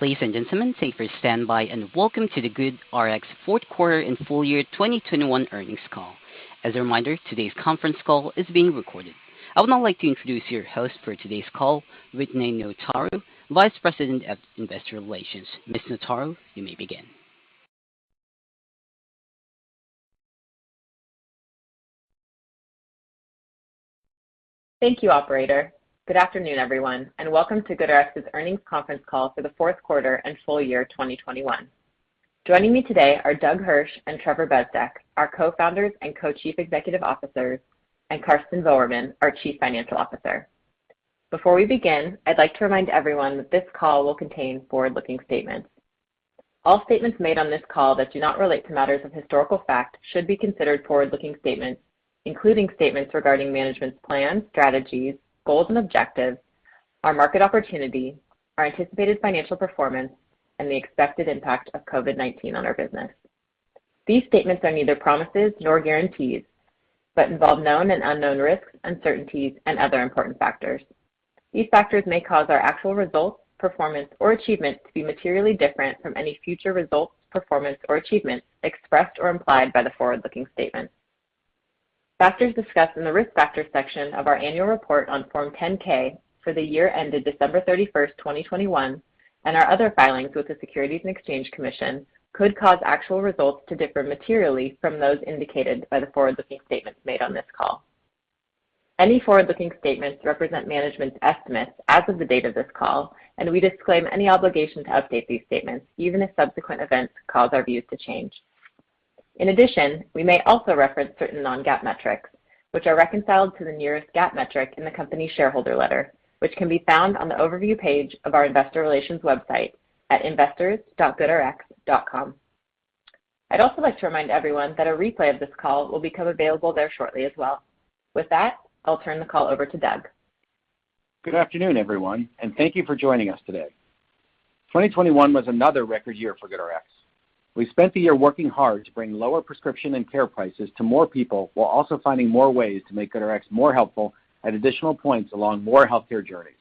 Ladies and gentlemen, thank you for standing by, and welcome to the GoodRx fourth quarter and full year 2021 earnings call. As a reminder, today's conference call is being recorded. I would now like to introduce your host for today's call, Whitney Notaro, Vice President of Investor Relations. Ms. Notaro, you may begin. Thank you, operator. Good afternoon, everyone, and welcome to GoodRx's earnings conference call for the fourth quarter and full year 2021. Joining me today are Doug Hirsch and Trevor Bezdek, our Co-Founders and Co-Chief Executive Officers, and Karsten Voermann, our Chief Financial Officer. Before we begin, I'd like to remind everyone that this call will contain forward-looking statements. All statements made on this call that do not relate to matters of historical fact should be considered forward-looking statements, including statements regarding management's plans, strategies, goals and objectives, our market opportunity, our anticipated financial performance, and the expected impact of COVID-19 on our business. These statements are neither promises nor guarantees, but involve known and unknown risks, uncertainties, and other important factors. These factors may cause our actual results, performance, or achievement to be materially different from any future results, performance, or achievement expressed or implied by the forward-looking statements. Factors discussed in the Risk Factors section of our annual report on Form 10-K for the year ended December 31, 2021, and our other filings with the Securities and Exchange Commission could cause actual results to differ materially from those indicated by the forward-looking statements made on this call. Any forward-looking statements represent management's estimates as of the date of this call, and we disclaim any obligation to update these statements, even if subsequent events cause our views to change. In addition, we may also reference certain non-GAAP metrics, which are reconciled to the nearest GAAP metric in the company's shareholder letter, which can be found on the overview page of our investor relations website at investors.goodrx.com. I'd also like to remind everyone that a replay of this call will become available there shortly as well. With that, I'll turn the call over to Doug. Good afternoon, everyone, and thank you for joining us today. 2021 was another record year for GoodRx. We spent the year working hard to bring lower prescription and care prices to more people while also finding more ways to make GoodRx more helpful at additional points along more healthcare journeys.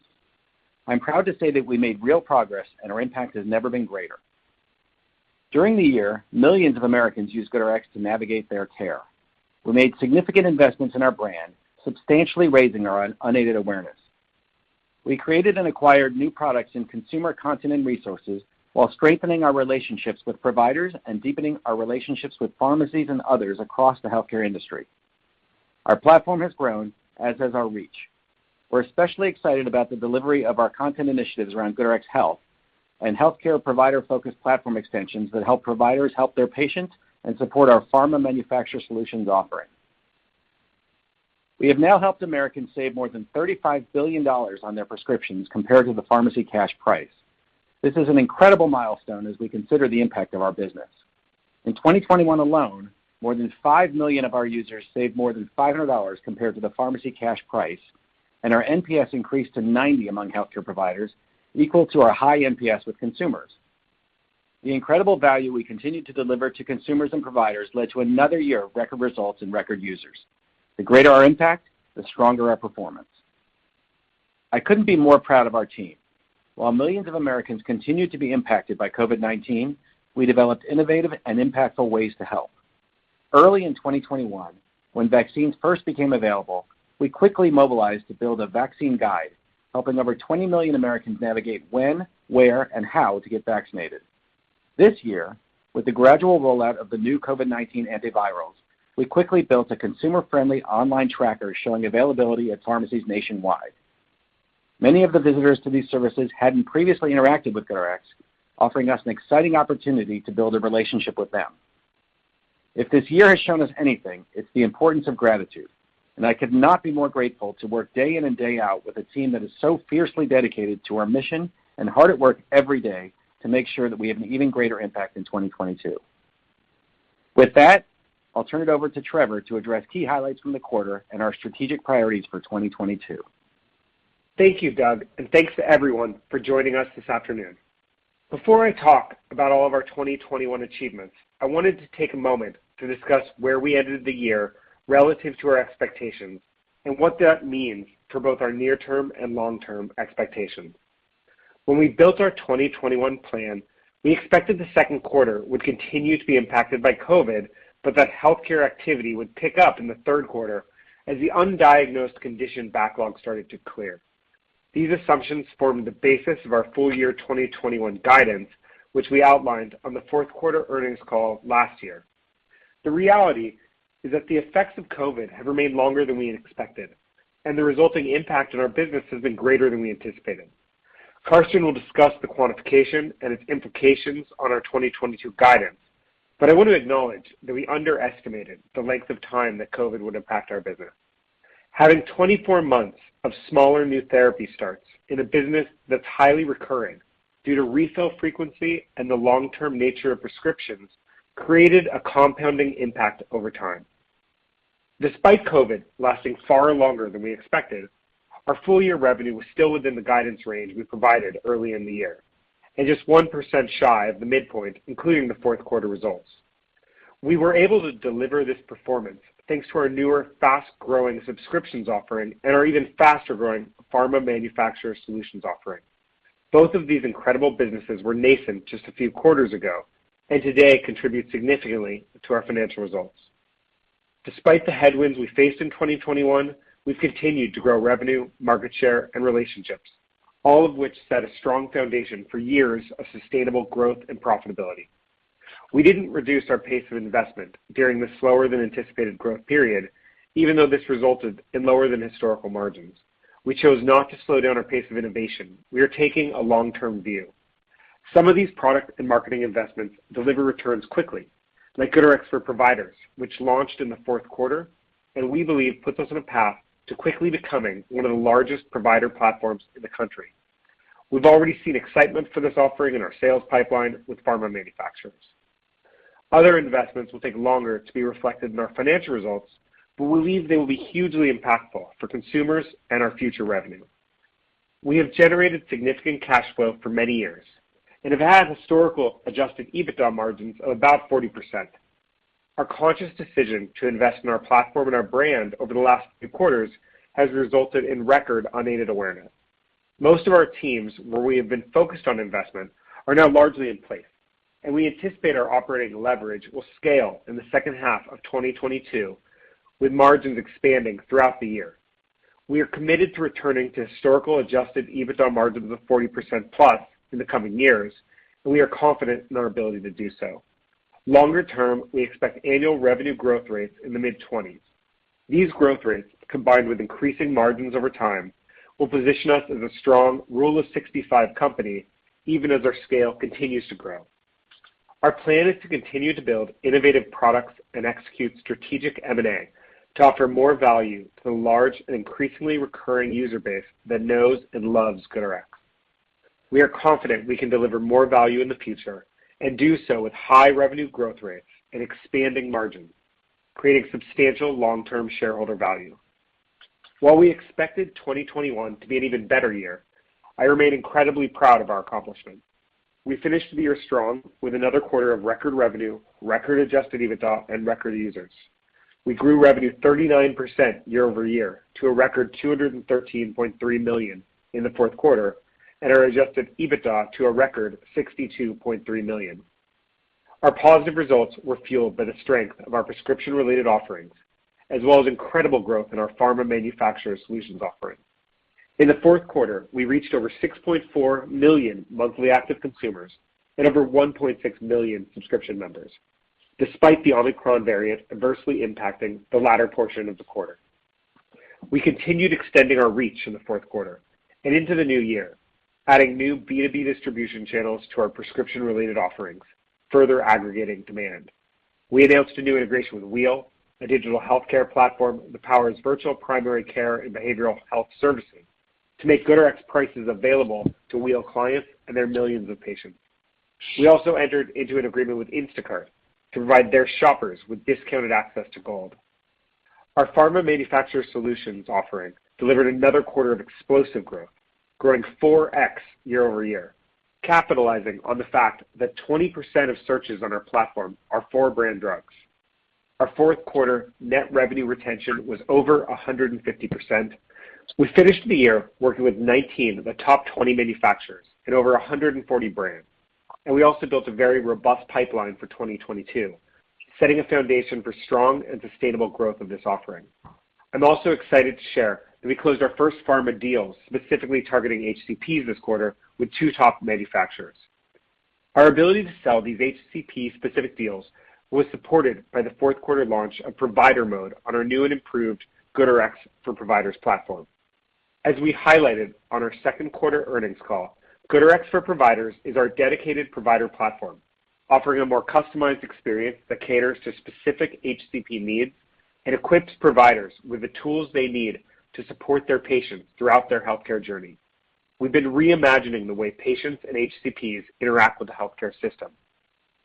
I'm proud to say that we made real progress and our impact has never been greater. During the year, millions of Americans used GoodRx to navigate their care. We made significant investments in our brand, substantially raising our unaided awareness. We created and acquired new products and consumer content and resources while strengthening our relationships with providers and deepening our relationships with pharmacies and others across the healthcare industry. Our platform has grown, as has our reach. We're especially excited about the delivery of our content initiatives around GoodRx Health and healthcare provider-focused platform extensions that help providers help their patients and support our pharma manufacturer solutions offering. We have now helped Americans save more than $35 billion on their prescriptions compared to the pharmacy cash price. This is an incredible milestone as we consider the impact of our business. In 2021 alone, more than 5 million of our users saved more than $500 compared to the pharmacy cash price, and our NPS increased to 90 among healthcare providers, equal to our high NPS with consumers. The incredible value we continue to deliver to consumers and providers led to another year of record results and record users. The greater our impact, the stronger our performance. I couldn't be more proud of our team. While millions of Americans continued to be impacted by COVID-19, we developed innovative and impactful ways to help. Early in 2021, when vaccines first became available, we quickly mobilized to build a vaccine guide, helping over 20 million Americans navigate when, where, and how to get vaccinated. This year, with the gradual rollout of the new COVID-19 antivirals, we quickly built a consumer-friendly online tracker showing availability at pharmacies nationwide. Many of the visitors to these services hadn't previously interacted with GoodRx, offering us an exciting opportunity to build a relationship with them. If this year has shown us anything, it's the importance of gratitude, and I could not be more grateful to work day in and day out with a team that is so fiercely dedicated to our mission and hard at work every day to make sure that we have an even greater impact in 2022. With that, I'll turn it over to Trevor to address key highlights from the quarter and our strategic priorities for 2022. Thank you, Doug, and thanks to everyone for joining us this afternoon. Before I talk about all of our 2021 achievements, I wanted to take a moment to discuss where we ended the year relative to our expectations and what that means for both our near-term and long-term expectations. When we built our 2021 plan, we expected the second quarter would continue to be impacted by COVID, but that healthcare activity would pick up in the third quarter as the undiagnosed condition backlog started to clear. These assumptions formed the basis of our full year 2021 guidance, which we outlined on the fourth quarter earnings call last year. The reality is that the effects of COVID have remained longer than we had expected, and the resulting impact on our business has been greater than we anticipated. Karsten will discuss the quantification and its implications on our 2022 guidance, but I want to acknowledge that we underestimated the length of time that COVID would impact our business. Having 24 months of smaller new therapy starts in a business that's highly recurring due to refill frequency and the long-term nature of prescriptions created a compounding impact over time. Despite COVID lasting far longer than we expected, our full year revenue was still within the guidance range we provided early in the year and just 1% shy of the midpoint, including the fourth quarter results. We were able to deliver this performance thanks to our newer fast-growing subscriptions offering and our even faster-growing pharma manufacturer solutions offering. Both of these incredible businesses were nascent just a few quarters ago, and today contribute significantly to our financial results. Despite the headwinds we faced in 2021, we've continued to grow revenue, market share, and relationships, all of which set a strong foundation for years of sustainable growth and profitability. We didn't reduce our pace of investment during this slower than anticipated growth period, even though this resulted in lower than historical margins. We chose not to slow down our pace of innovation. We are taking a long-term view. Some of these product and marketing investments deliver returns quickly, like GoodRx for Providers, which launched in the fourth quarter, and we believe puts us on a path to quickly becoming one of the largest provider platforms in the country. We've already seen excitement for this offering in our sales pipeline with pharma manufacturers. Other investments will take longer to be reflected in our financial results, but we believe they will be hugely impactful for consumers and our future revenue. We have generated significant cash flow for many years and have had historical adjusted EBITDA margins of about 40%. Our conscious decision to invest in our platform and our brand over the last few quarters has resulted in record unaided awareness. Most of our teams where we have been focused on investment are now largely in place, and we anticipate our operating leverage will scale in the second half of 2022, with margins expanding throughout the year. We are committed to returning to historical adjusted EBITDA margins of 40%+ in the coming years, and we are confident in our ability to do so. Longer term, we expect annual revenue growth rates in the mid-20s. These growth rates, combined with increasing margins over time, will position us as a strong rule of 65 company even as our scale continues to grow. Our plan is to continue to build innovative products and execute strategic M&A to offer more value to the large and increasingly recurring user base that knows and loves GoodRx. We are confident we can deliver more value in the future and do so with high revenue growth rates and expanding margins, creating substantial long-term shareholder value. While we expected 2021 to be an even better year, I remain incredibly proud of our accomplishment. We finished the year strong with another quarter of record revenue, record adjusted EBITDA, and record users. We grew revenue 39% year-over-year to a record $213.3 million in the fourth quarter, and our adjusted EBITDA to a record $62.3 million. Our positive results were fueled by the strength of our prescription-related offerings as well as incredible growth in our pharma manufacturer solutions offering. In the fourth quarter, we reached over 6.4 million monthly active consumers and over 1.6 million subscription members, despite the Omicron variant adversely impacting the latter portion of the quarter. We continued extending our reach in the fourth quarter and into the new year, adding new B2B distribution channels to our prescription-related offerings, further aggregating demand. We announced a new integration with Wheel, a digital healthcare platform that powers virtual primary care and behavioral health services to make GoodRx prices available to Wheel clients and their millions of patients. We also entered into an agreement with Instacart to provide their shoppers with discounted access to Gold. Our pharma manufacturer solutions offering delivered another quarter of explosive growth, growing 4x year-over-year, capitalizing on the fact that 20% of searches on our platform are for brand drugs. Our fourth quarter net revenue retention was over 150%. We finished the year working with 19 of the top 20 manufacturers and over 140 brands, and we also built a very robust pipeline for 2022, setting a foundation for strong and sustainable growth of this offering. I'm also excited to share that we closed our first pharma deal specifically targeting HCPs this quarter with two top manufacturers. Our ability to sell these HCP-specific deals was supported by the fourth quarter launch of Provider mode on our new and improved GoodRx for Providers platform. As we highlighted on our second quarter earnings call, GoodRx for Providers is our dedicated provider platform, offering a more customized experience that caters to specific HCP needs and equips providers with the tools they need to support their patients throughout their healthcare journey. We've been reimagining the way patients and HCPs interact with the healthcare system.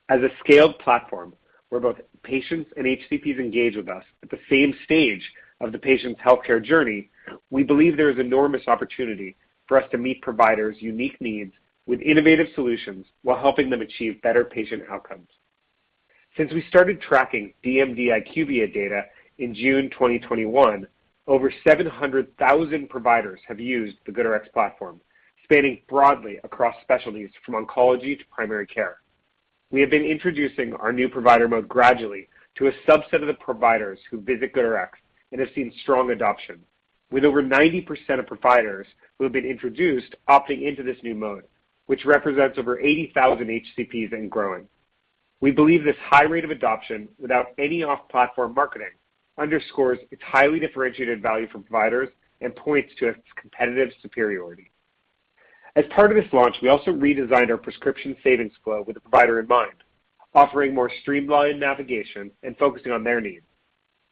As a scaled platform where both patients and HCPs engage with us at the same stage of the patient's healthcare journey, we believe there is enormous opportunity for us to meet providers' unique needs with innovative solutions while helping them achieve better patient outcomes. Since we started tracking DMD/IQVIA data in June 2021, over 700,000 prescribers have used the GoodRx platform, spanning broadly across specialties from oncology to primary care. We have been introducing our new Provider mode gradually to a subset of the providers who visit GoodRx and have seen strong adoption, with over 90% of providers who have been introduced opting into this new mode, which represents over 80,000 HCPs and growing. We believe this high rate of adoption without any off-platform marketing underscores its highly differentiated value for providers and points to its competitive superiority. As part of this launch, we also redesigned our prescription savings flow with the provider in mind, offering more streamlined navigation and focusing on their needs.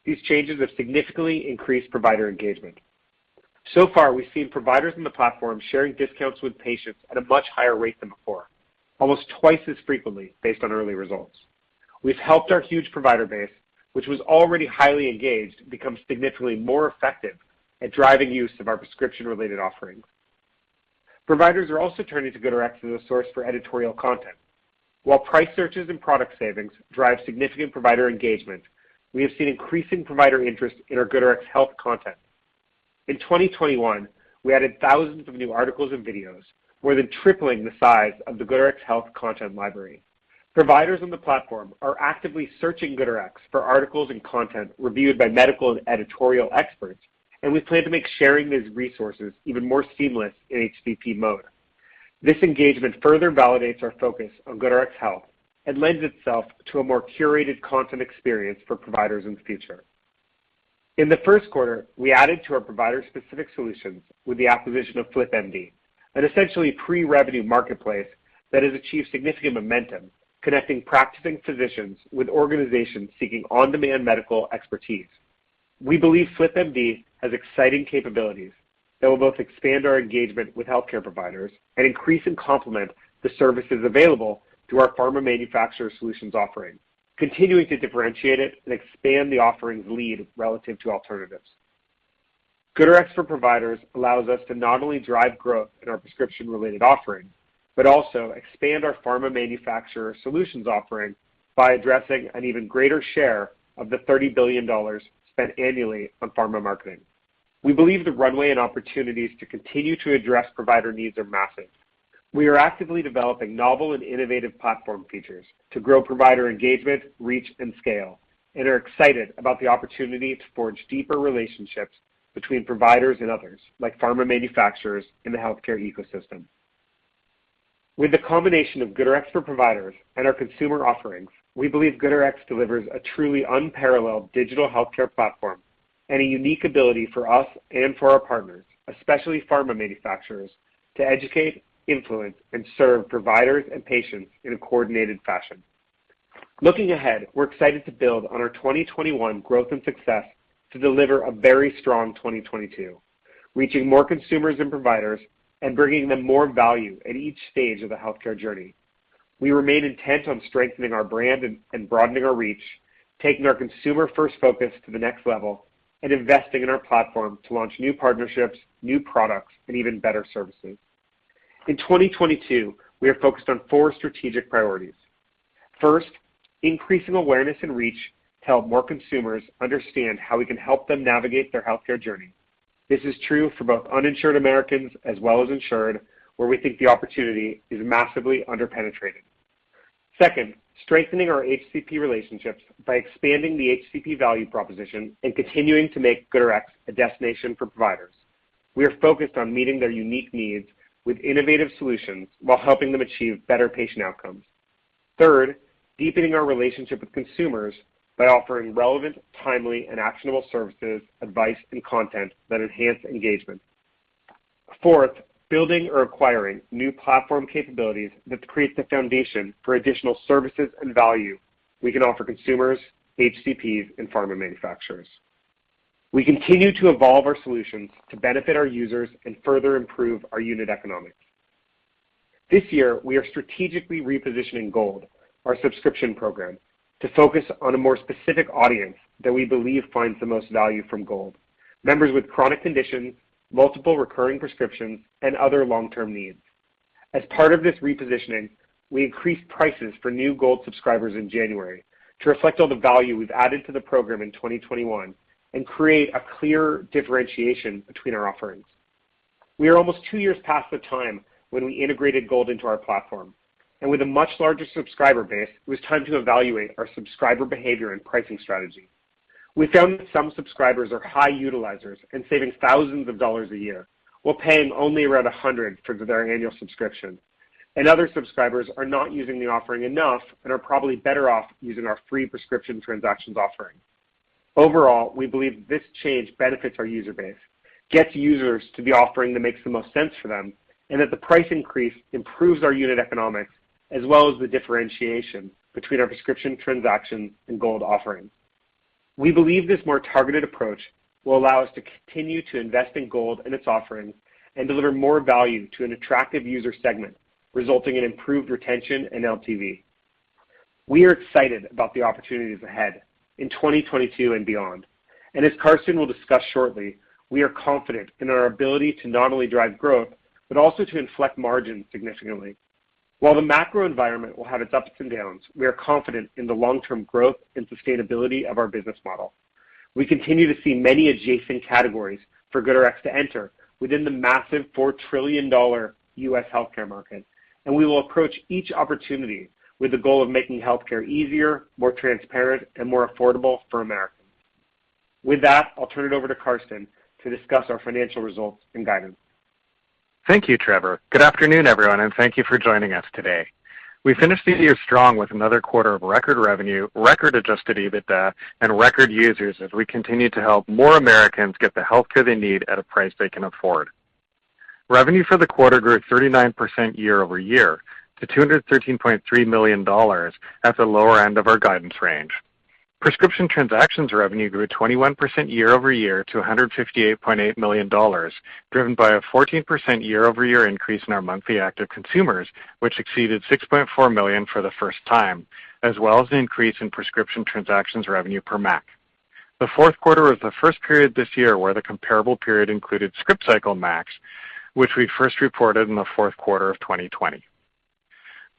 These changes have significantly increased provider engagement. So far, we've seen providers in the platform sharing discounts with patients at a much higher rate than before, almost twice as frequently based on early results. We've helped our huge provider base, which was already highly engaged, become significantly more effective at driving use of our prescription-related offerings. Providers are also turning to GoodRx as a source for editorial content. While price searches and product savings drive significant provider engagement, we have seen increasing provider interest in our GoodRx Health content. In 2021, we added thousands of new articles and videos, more than tripling the size of the GoodRx Health content library. Providers on the platform are actively searching GoodRx for articles and content reviewed by medical and editorial experts, and we plan to make sharing these resources even more seamless in HCP mode. This engagement further validates our focus on GoodRx Health and lends itself to a more curated content experience for providers in the future. In the first quarter, we added to our provider-specific solutions with the acquisition of flipMD, an essentially pre-revenue marketplace that has achieved significant momentum, connecting practicing physicians with organizations seeking on-demand medical expertise. We believe flipMD has exciting capabilities that will both expand our engagement with healthcare providers and increase and complement the services available through our pharma manufacturer solutions offering, continuing to differentiate it and expand the offering's lead relative to alternatives. GoodRx for Providers allows us to not only drive growth in our prescription-related offerings, but also expand our pharma manufacturer solutions offering by addressing an even greater share of the $30 billion spent annually on pharma marketing. We believe the runway and opportunities to continue to address provider needs are massive. We are actively developing novel and innovative platform features to grow provider engagement, reach, and scale, and are excited about the opportunity to forge deeper relationships between providers and others, like pharma manufacturers in the healthcare ecosystem. With the combination of GoodRx for Providers and our consumer offerings, we believe GoodRx delivers a truly unparalleled digital healthcare platform and a unique ability for us and for our partners, especially pharma manufacturers, to educate, influence, and serve providers and patients in a coordinated fashion. Looking ahead, we're excited to build on our 2021 growth and success to deliver a very strong 2022, reaching more consumers and providers and bringing them more value at each stage of the healthcare journey. We remain intent on strengthening our brand and broadening our reach, taking our consumer-first focus to the next level, and investing in our platform to launch new partnerships, new products, and even better services. In 2022, we are focused on four strategic priorities. First, increasing awareness and reach to help more consumers understand how we can help them navigate their healthcare journey. This is true for both uninsured Americans as well as insured, where we think the opportunity is massively under-penetrated. Second, strengthening our HCP relationships by expanding the HCP value proposition and continuing to make GoodRx a destination for providers. We are focused on meeting their unique needs with innovative solutions while helping them achieve better patient outcomes. Third, deepening our relationship with consumers by offering relevant, timely, and actionable services, advice, and content that enhance engagement. Fourth, building or acquiring new platform capabilities that create the foundation for additional services and value we can offer consumers, HCPs, and pharma manufacturers. We continue to evolve our solutions to benefit our users and further improve our unit economics. This year, we are strategically repositioning Gold, our subscription program, to focus on a more specific audience that we believe finds the most value from Gold, members with chronic conditions, multiple recurring prescriptions, and other long-term needs. As part of this repositioning, we increased prices for new Gold subscribers in January to reflect all the value we've added to the program in 2021 and create a clear differentiation between our offerings. We are almost two years past the time when we integrated Gold into our platform, and with a much larger subscriber base, it was time to evaluate our subscriber behavior and pricing strategy. We found that some subscribers are high utilizers and saving thousands of dollars a year while paying only around $100 for their annual subscription, and other subscribers are not using the offering enough and are probably better off using our free prescription transactions offering. Overall, we believe this change benefits our user base, gets users to the offering that makes the most sense for them, and that the price increase improves our unit economics as well as the differentiation between our prescription transactions and Gold offerings. We believe this more targeted approach will allow us to continue to invest in Gold and its offerings and deliver more value to an attractive user segment, resulting in improved retention and LTV. We are excited about the opportunities ahead in 2022 and beyond. As Karsten will discuss shortly, we are confident in our ability to not only drive growth, but also to inflect margin significantly. While the macro environment will have its ups and downs, we are confident in the long-term growth and sustainability of our business model. We continue to see many adjacent categories for GoodRx to enter within the massive $4 trillion U.S. healthcare market, and we will approach each opportunity with the goal of making healthcare easier, more transparent, and more affordable for Americans. With that, I'll turn it over to Karsten to discuss our financial results and guidance. Thank you, Trevor. Good afternoon, everyone, and thank you for joining us today. We finished the year strong with another quarter of record revenue, record adjusted EBITDA, and record users as we continue to help more Americans get the healthcare they need at a price they can afford. Revenue for the quarter grew 39% year-over-year to $213.3 million at the lower end of our guidance range. Prescription transactions revenue grew 21% year-over-year to $158.8 million, driven by a 14% year-over-year increase in our monthly active consumers, which exceeded 6.4 million for the first time, as well as the increase in prescription transactions revenue per MAC. The fourth quarter was the first period this year where the comparable period included Scriptcycle MACs, which we first reported in the fourth quarter of 2020.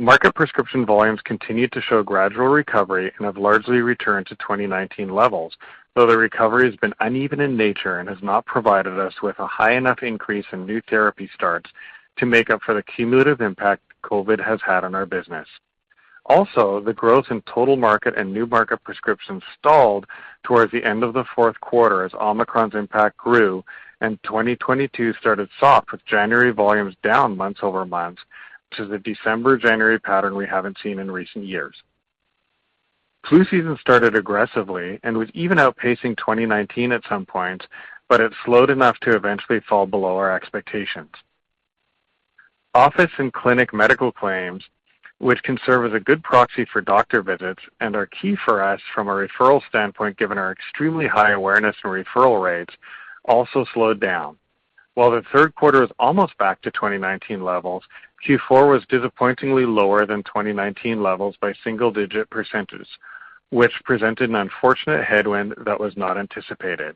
Market prescription volumes continued to show gradual recovery and have largely returned to 2019 levels, though the recovery has been uneven in nature and has not provided us with a high enough increase in new therapy starts to make up for the cumulative impact COVID has had on our business. Also, the growth in total market and new market prescriptions stalled towards the end of the fourth quarter as Omicron's impact grew and 2022 started soft, with January volumes down month-over-month, which is a December-January pattern we haven't seen in recent years. Flu season started aggressively and was even outpacing 2019 at some points, but it slowed enough to eventually fall below our expectations. Office and clinic medical claims, which can serve as a good proxy for doctor visits and are key for us from a referral standpoint given our extremely high awareness and referral rates, also slowed down. While the third quarter was almost back to 2019 levels, Q4 was disappointingly lower than 2019 levels by single-digit percentages, which presented an unfortunate headwind that was not anticipated.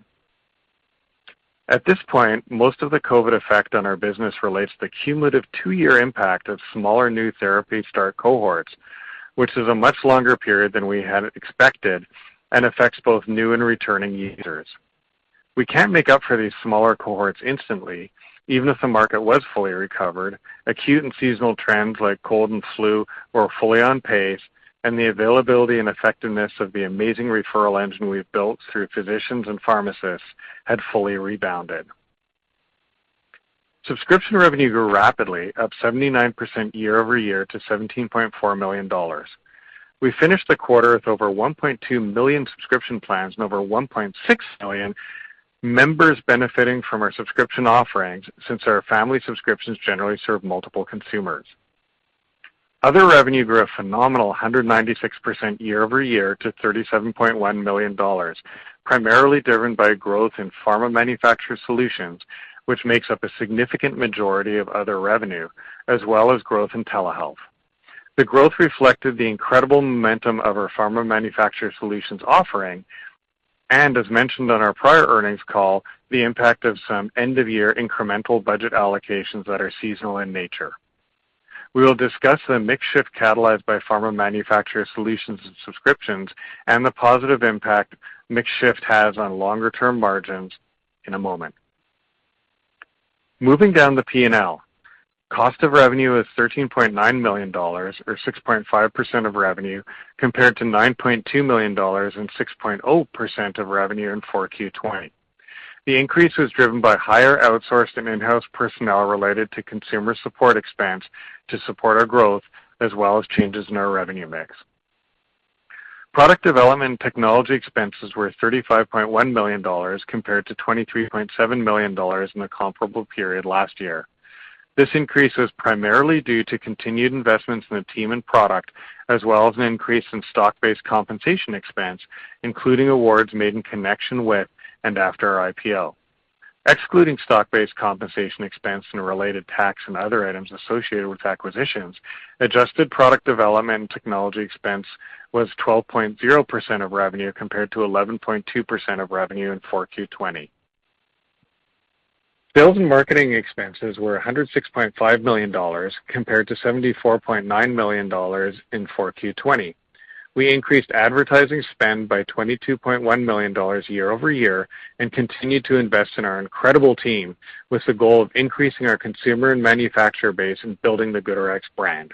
At this point, most of the COVID effect on our business relates to the cumulative two-year impact of smaller new therapy start cohorts, which is a much longer period than we had expected and affects both new and returning users. We can't make up for these smaller cohorts instantly, even if the market was fully recovered, acute and seasonal trends like cold and flu were fully on pace, and the availability and effectiveness of the amazing referral engine we've built through physicians and pharmacists had fully rebounded. Subscription revenue grew rapidly, up 79% year-over-year to $17.4 million. We finished the quarter with over 1.2 million subscription plans and over 1.6 million members benefiting from our subscription offerings since our family subscriptions generally serve multiple consumers. Other revenue grew a phenomenal 196% year-over-year to $37.1 million, primarily driven by growth in pharma manufacturer solutions, which makes up a significant majority of other revenue, as well as growth in telehealth. The growth reflected the incredible momentum of our pharma manufacturer solutions offering and, as mentioned on our prior earnings call, the impact of some end-of-year incremental budget allocations that are seasonal in nature. We will discuss the mix shift catalyzed by pharma manufacturer solutions and subscriptions and the positive impact mix shift has on longer-term margins in a moment. Moving down the P&L. Cost of revenue is $13.9 million, or 6.5% of revenue, compared to $9.2 million and 6.0% of revenue in 4Q 2020. The increase was driven by higher outsourced and in-house personnel related to consumer support expense to support our growth, as well as changes in our revenue mix. Product development and technology expenses were $35.1 million compared to $23.7 million in the comparable period last year. This increase was primarily due to continued investments in the team and product, as well as an increase in stock-based compensation expense, including awards made in connection with and after our IPO. Excluding stock-based compensation expense and related tax and other items associated with acquisitions, adjusted product development and technology expense was 12.0% of revenue compared to 11.2% of revenue in 4Q 2020. Sales and marketing expenses were $106.5 million compared to $74.9 million in 4Q 2020. We increased advertising spend by $22.1 million year-over-year and continued to invest in our incredible team with the goal of increasing our consumer and manufacturer base and building the GoodRx brand.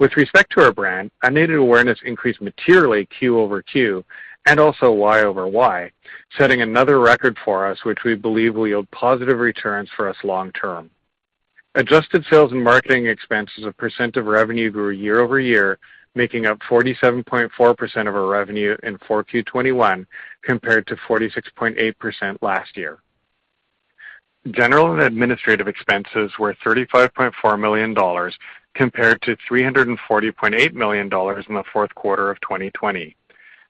With respect to our brand, unaided awareness increased materially quarter-over-quarter and also year-over-year, setting another record for us which we believe will yield positive returns for us long term. Adjusted sales and marketing expenses as a percent of revenue grew year-over-year, making up 47.4% of our revenue in 4Q21 compared to 46.8% last year. General and administrative expenses were $35.4 million compared to $340.8 million in the fourth quarter of 2020.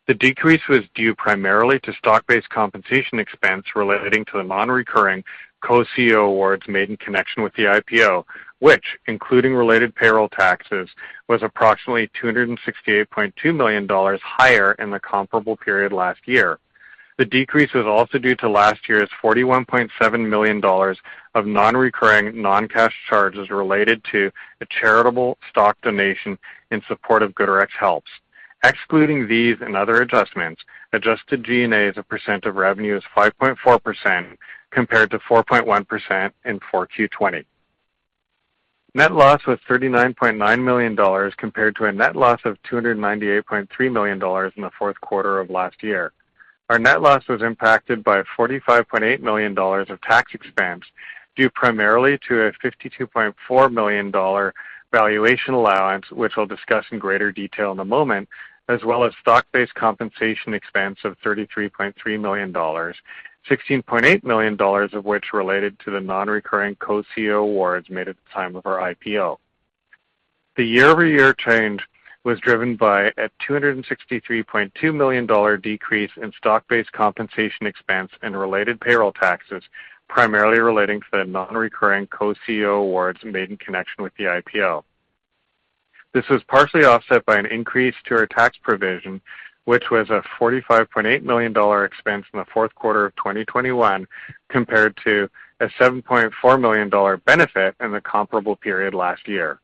The decrease was due primarily to stock-based compensation expense relating to the non-recurring co-CEO awards made in connection with the IPO, which, including related payroll taxes, was approximately $268.2 million higher in the comparable period last year. The decrease was also due to last year's $41.7 million of non-recurring non-cash charges related to a charitable stock donation in support of GoodRx Helps. Excluding these and other adjustments, adjusted G&A as a percent of revenue is 5.4% compared to 4.1% in 4Q20. Net loss was $39.9 million compared to a net loss of $298.3 million in the fourth quarter of last year. Our net loss was impacted by $45.8 million of tax expense due primarily to a $52.4 million valuation allowance, which I'll discuss in greater detail in a moment, as well as stock-based compensation expense of $33.3 million, $16.8 million of which related to the non-recurring co-CEO awards made at the time of our IPO. The year-over-year change was driven by a $263.2 million decrease in stock-based compensation expense and related payroll taxes, primarily relating to the non-recurring co-CEO awards made in connection with the IPO. This was partially offset by an increase to our tax provision, which was a $45.8 million expense in the fourth quarter of 2021 compared to a $7.4 million benefit in the comparable period last year.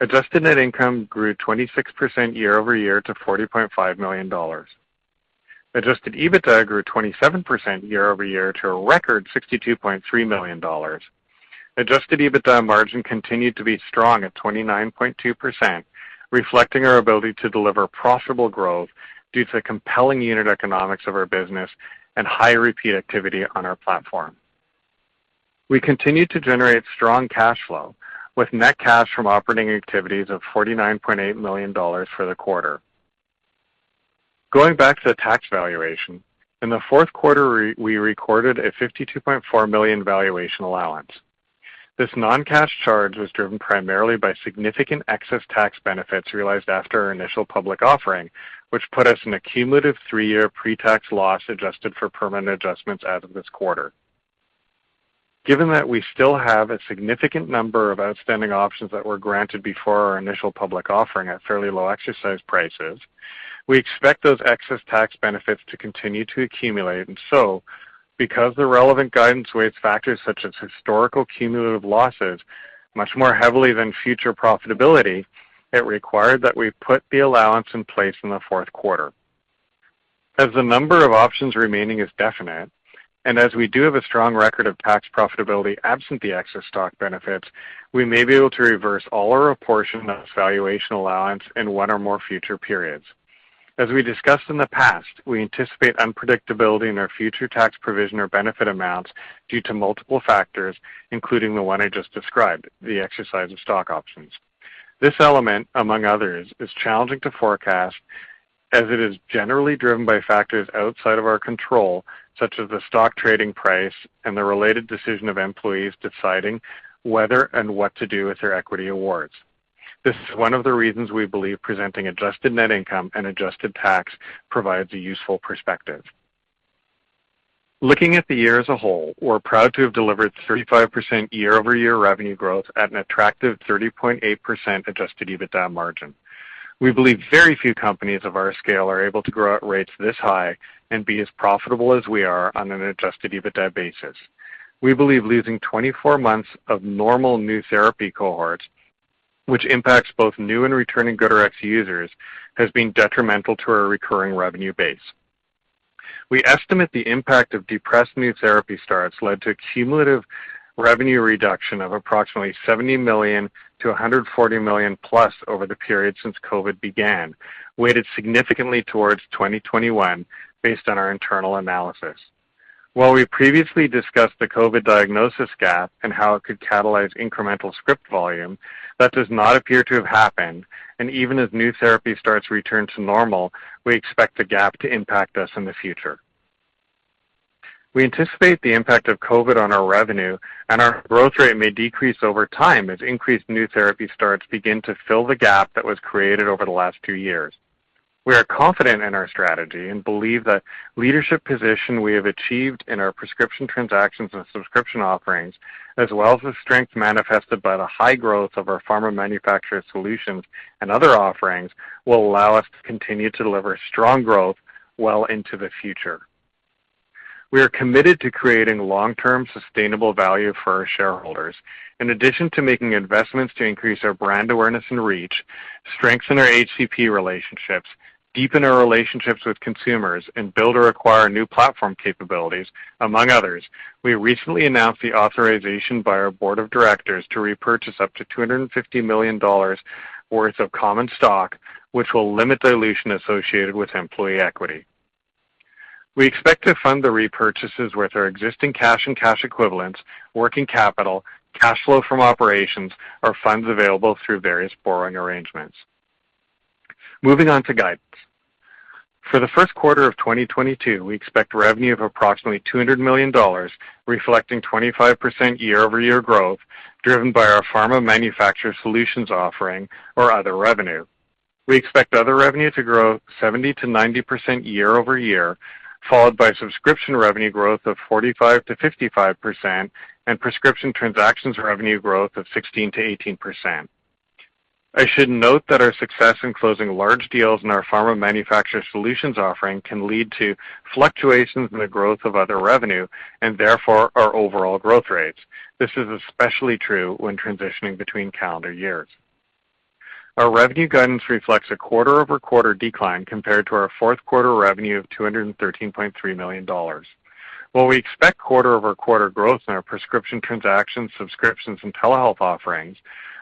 Adjusted net income grew 26% year-over-year to $40.5 million. Adjusted EBITDA grew 27% year-over-year to a record $62.3 million. Adjusted EBITDA margin continued to be strong at 29.2%, reflecting our ability to deliver profitable growth due to compelling unit economics of our business and high repeat activity on our platform. We continued to generate strong cash flow with net cash from operating activities of $49.8 million for the quarter. Going back to the tax valuation. In the fourth quarter, we recorded a $52.4 million valuation allowance. This non-cash charge was driven primarily by significant excess tax benefits realized after our initial public offering, which put us in a cumulative three-year pre-tax loss adjusted for permanent adjustments as of this quarter. Given that we still have a significant number of outstanding options that were granted before our initial public offering at fairly low exercise prices, we expect those excess tax benefits to continue to accumulate, and so because the relevant guidance weighs factors such as historical cumulative losses much more heavily than future profitability, it required that we put the allowance in place in the fourth quarter. As the number of options remaining is definite, and as we do have a strong record of tax profitability absent the excess stock benefits, we may be able to reverse all or a portion of this valuation allowance in one or more future periods. As we discussed in the past, we anticipate unpredictability in our future tax provision or benefit amounts due to multiple factors, including the one I just described, the exercise of stock options. This element, among others, is challenging to forecast as it is generally driven by factors outside of our control, such as the stock trading price and the related decision of employees deciding whether and what to do with their equity awards. This is one of the reasons we believe presenting adjusted net income and adjusted tax provides a useful perspective. Looking at the year as a whole, we're proud to have delivered 35% year-over-year revenue growth at an attractive 30.8% adjusted EBITDA margin. We believe very few companies of our scale are able to grow at rates this high and be as profitable as we are on an adjusted EBITDA basis. We believe losing 24 months of normal new therapy cohorts, which impacts both new and returning GoodRx users, has been detrimental to our recurring revenue base. We estimate the impact of depressed new therapy starts led to a cumulative revenue reduction of approximately $70 million-$140 million+ over the period since COVID began, weighted significantly towards 2021 based on our internal analysis. While we previously discussed the COVID diagnosis gap and how it could catalyze incremental script volume, that does not appear to have happened, and even as new therapy starts to return to normal, we expect the gap to impact us in the future. We anticipate the impact of COVID on our revenue and our growth rate may decrease over time as increased new therapy starts begin to fill the gap that was created over the last two years. We are confident in our strategy and believe the leadership position we have achieved in our prescription transactions and subscription offerings, as well as the strength manifested by the high growth of our pharma manufacturer solutions and other offerings, will allow us to continue to deliver strong growth well into the future. We are committed to creating long-term sustainable value for our shareholders. In addition to making investments to increase our brand awareness and reach, strengthen our HCP relationships, deepen our relationships with consumers, and build or acquire new platform capabilities, among others, we recently announced the authorization by our board of directors to repurchase up to $250 million worth of common stock, which will limit dilution associated with employee equity. We expect to fund the repurchases with our existing cash and cash equivalents, working capital, cash flow from operations, or funds available through various borrowing arrangements. Moving on to guidance. For the first quarter of 2022, we expect revenue of approximately $200 million, reflecting 25% year-over-year growth driven by our pharma manufacturer solutions offering or other revenue. We expect other revenue to grow 70%-90% year-over-year, followed by subscription revenue growth of 45%-55% and prescription transactions revenue growth of 16%-18%. I should note that our success in closing large deals in our pharma manufacturer solutions offering can lead to fluctuations in the growth of other revenue and therefore our overall growth rates. This is especially true when transitioning between calendar years. Our revenue guidance reflects a quarter-over-quarter decline compared to our fourth quarter revenue of $213.3 million. While we expect quarter-over-quarter growth in our prescription transactions, subscriptions, and telehealth offerings,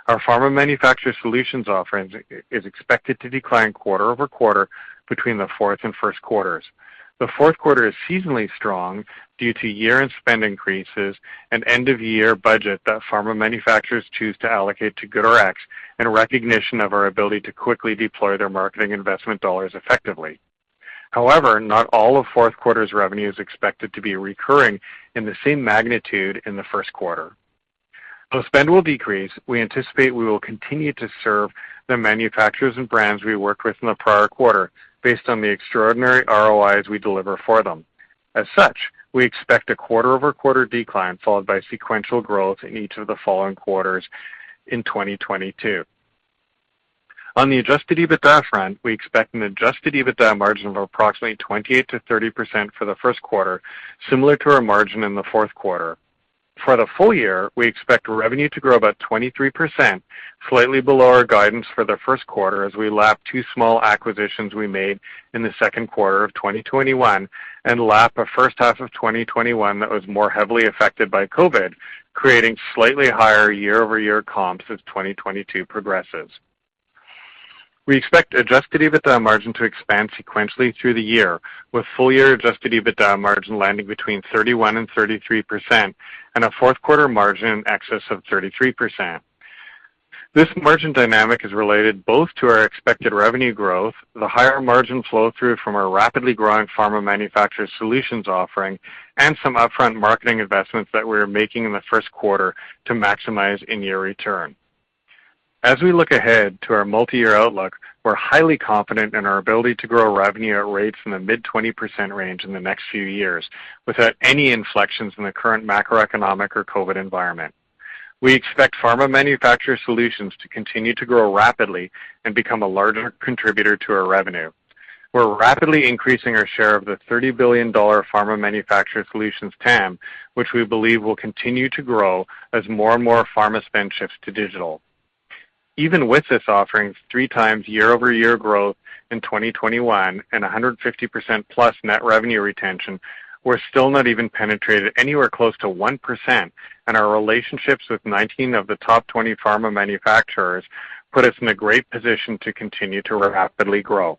our pharma manufacturer solutions offerings is expected to decline quarter-over-quarter between the fourth and first quarters. The fourth quarter is seasonally strong due to year-end spend increases and end-of-year budget that pharma manufacturers choose to allocate to GoodRx in recognition of our ability to quickly deploy their marketing investment dollars effectively. However, not all of fourth quarter's revenue is expected to be recurring in the same magnitude in the first quarter. Though spend will decrease, we anticipate we will continue to serve the manufacturers and brands we worked with in the prior quarter based on the extraordinary ROIs we deliver for them. As such, we expect a quarter-over-quarter decline followed by sequential growth in each of the following quarters in 2022. On the adjusted EBITDA front, we expect an adjusted EBITDA margin of approximately 28%-30% for the first quarter, similar to our margin in the fourth quarter. For the full year, we expect revenue to grow about 23%, slightly below our guidance for the first quarter as we lap two small acquisitions we made in the second quarter of 2021 and lap a first half of 2021 that was more heavily affected by COVID, creating slightly higher year-over-year comps as 2022 progresses. We expect adjusted EBITDA margin to expand sequentially through the year, with full year adjusted EBITDA margin landing between 31%-33% and a fourth quarter margin in excess of 33%. This margin dynamic is related both to our expected revenue growth, the higher margin flow through from our rapidly growing pharma manufacturer solutions offering, and some upfront marketing investments that we are making in the first quarter to maximize in-year return. As we look ahead to our multi-year outlook, we're highly confident in our ability to grow revenue at rates in the mid-20% range in the next few years without any inflections in the current macroeconomic or COVID environment. We expect pharma manufacturer solutionsto continue to grow rapidly and become a larger contributor to our revenue. We're rapidly increasing our share of the $30 billion pharma manufacturer solutions TAM, which we believe will continue to grow as more and more pharma spend shifts to digital. Even with this offering 3x year-over-year growth in 2021 and 150%+ net revenue retention, we're still not even penetrated anywhere close to 1%, and our relationships with 19 of the top 20 pharma manufacturers put us in a great position to continue to rapidly grow.